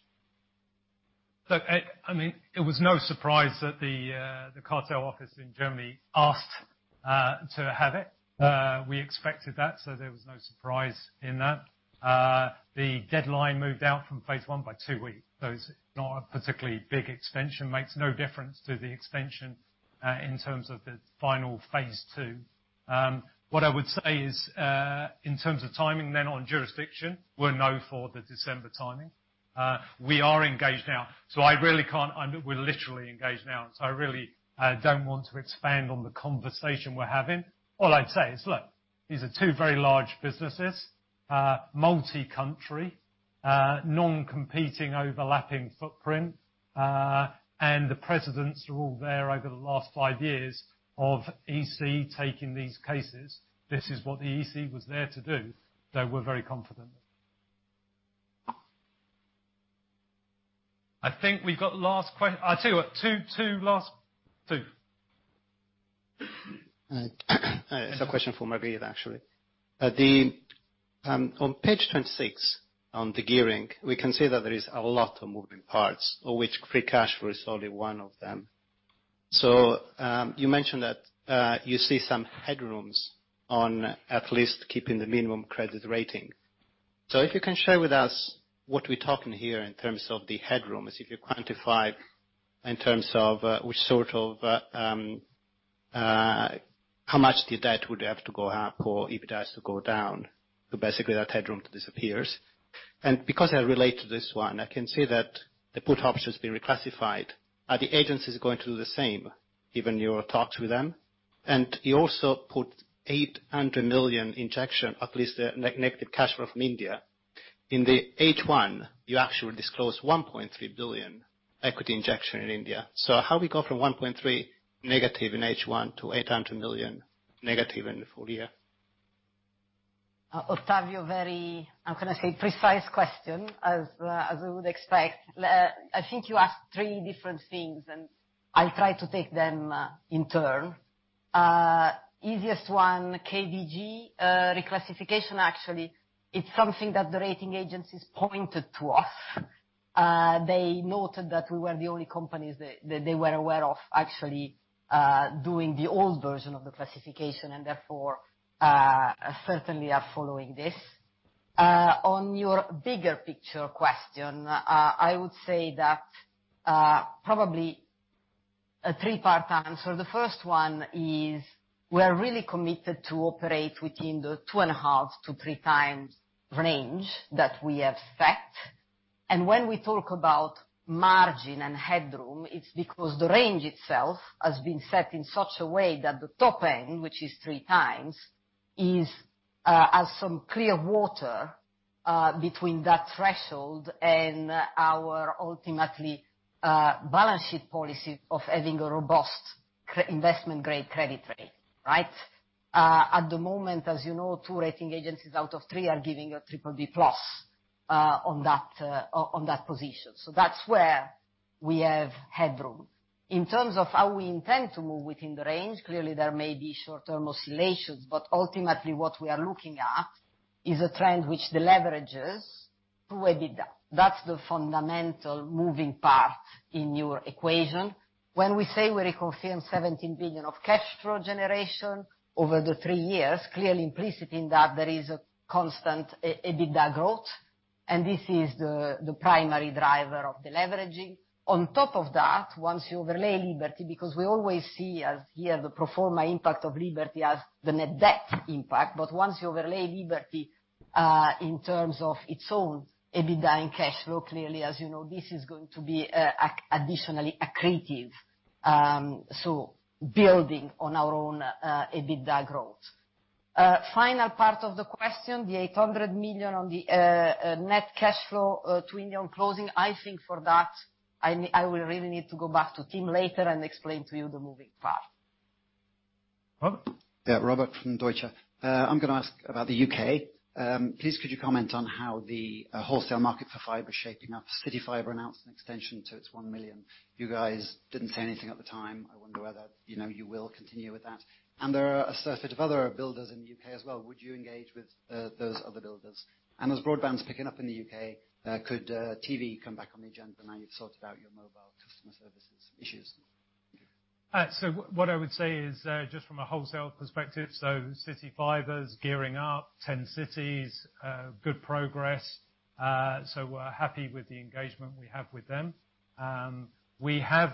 It was no surprise that the Cartel Office in Germany asked to have it. We expected that, there was no surprise in that. The deadline moved out from Phase 1 by two weeks, it's not a particularly big extension. Makes no difference to the extension in terms of the final phase II. In terms of timing on jurisdiction, we're known for the December timing. We are engaged now, I really can't I really don't want to expand on the conversation we're having. These are two very large businesses. Multi-country, non-competing, overlapping footprint. The precedents are all there over the last five years of EC taking these cases. This is what the EC was there to do, we're very confident. We've got last I tell you what, two last. Two. It's a question for Margherita, actually. On page 26 on the gearing, we can see that there is a lot of moving parts, of which free cash flow is only one of them. You mentioned that you see some headrooms on at least keeping the minimum credit rating. If you can share with us what we're talking here in terms of the headroom, if you quantify in terms of how much the debt would have to go up, or if it has to go down, that headroom disappears. Because I relate to this one, I can see that the put option's been reclassified. Are the agencies going to do the same, given your talks with them? You also put 800 million injection, at least negative cash flow from India. In the H1, you actually disclosed 1.3 billion equity injection in India. How we go from 1.3 negative in H1 to 800 million negative in the full year? Ottavio, very, how can I say, precise question, as you would expect. I think you asked three different things, I'll try to take them in turn. Easiest one, KDG reclassification, actually, it's something that the rating agencies pointed to us. They noted that we weren't the only companies that they were aware of actually doing the old version of the classification, and therefore, certainly are following this. On your bigger picture question, I would say that probably a three-part answer. The first one is we're really committed to operate within the two and a half-three times range that we have set. When we talk about margin and headroom, it's because the range itself has been set in such a way that the top end, which is three times, has some clear water between that threshold and our ultimately balance sheet policy of having a robust investment-grade credit rate, right? At the moment, as you know, two rating agencies out of three are giving a BBB+ on that position. That's where we have headroom. In terms of how we intend to move within the range, clearly, there may be short-term oscillations, but ultimately what we are looking at is a trend which deleverages to EBITDA. That's the fundamental moving part in your equation. When we say we reconfirm 17 billion of cash flow generation over the three years, clearly implicit in that there is a constant EBITDA growth, and this is the primary driver of the leveraging. On top of that, once you overlay Liberty, because we always see as here the pro forma impact of Liberty as the net debt impact. Once you overlay Liberty, in terms of its own EBITDA and cash flow, clearly, as you know, this is going to be additionally accretive. Building on our own EBITDA growth. Final part of the question, the 800 million on the net cash flow to Union closing. I think for that, I will really need to go back to Tim later and explain to you the moving part. Robert. Yeah, Robert from Deutsche. I'm going to ask about the U.K. Please could you comment on how the wholesale market for fiber's shaping up? CityFibre announced an extension to its 1 million. You guys didn't say anything at the time. I wonder whether you will continue with that. There are a surfeit of other builders in the U.K. as well. Would you engage with those other builders? As broadband's picking up in the U.K., could TV come back on the agenda now you've sorted out your mobile customer services issues? What I would say is, just from a wholesale perspective, CityFibre's gearing up 10 cities, good progress. We're happy with the engagement we have with them. We have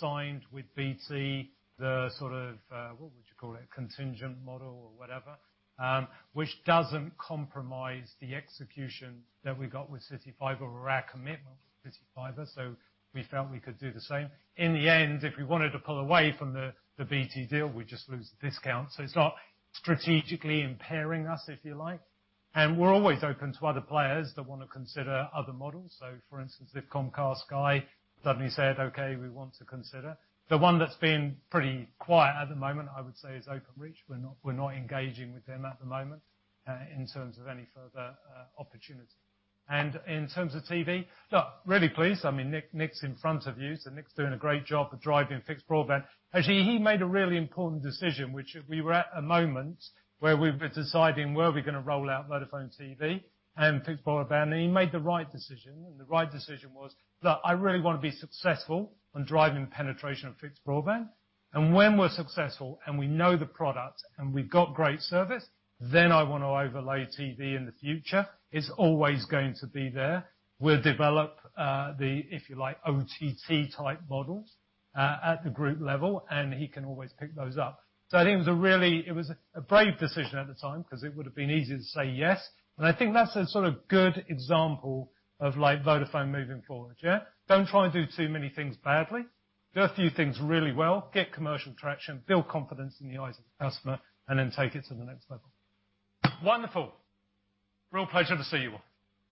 signed with BT, the, what would you call it? Contingent model or whatever, which doesn't compromise the execution that we got with CityFibre or our commitment with CityFibre, so we felt we could do the same. In the end, if we wanted to pull away from the BT deal, we just lose the discount. It's not strategically impairing us, if you like. We're always open to other players that want to consider other models. For instance, if Comcast, Sky suddenly said, "Okay, we want to consider." The one that's been pretty quiet at the moment, I would say, is Openreach. We're not engaging with them at the moment, in terms of any further opportunity. In terms of TV, look, really pleased. Nick's in front of you, Nick's doing a great job of driving fixed broadband. Actually, he made a really important decision. We were at a moment where we were deciding where we're going to roll out Vodafone TV and fixed broadband, he made the right decision. The right decision was, "Look, I really want to be successful on driving penetration of fixed broadband. When we're successful and we know the product and we've got great service, then I want to overlay TV in the future." It's always going to be there. We'll develop the, if you like, OTT type models at the group level, and he can always pick those up. I think it was a brave decision at the time, because it would've been easy to say yes. I think that's a good example of Vodafone moving forward, yeah. Don't try and do too many things badly. Do a few things really well, get commercial traction, build confidence in the eyes of the customer, and then take it to the next level. Wonderful. Real pleasure to see you all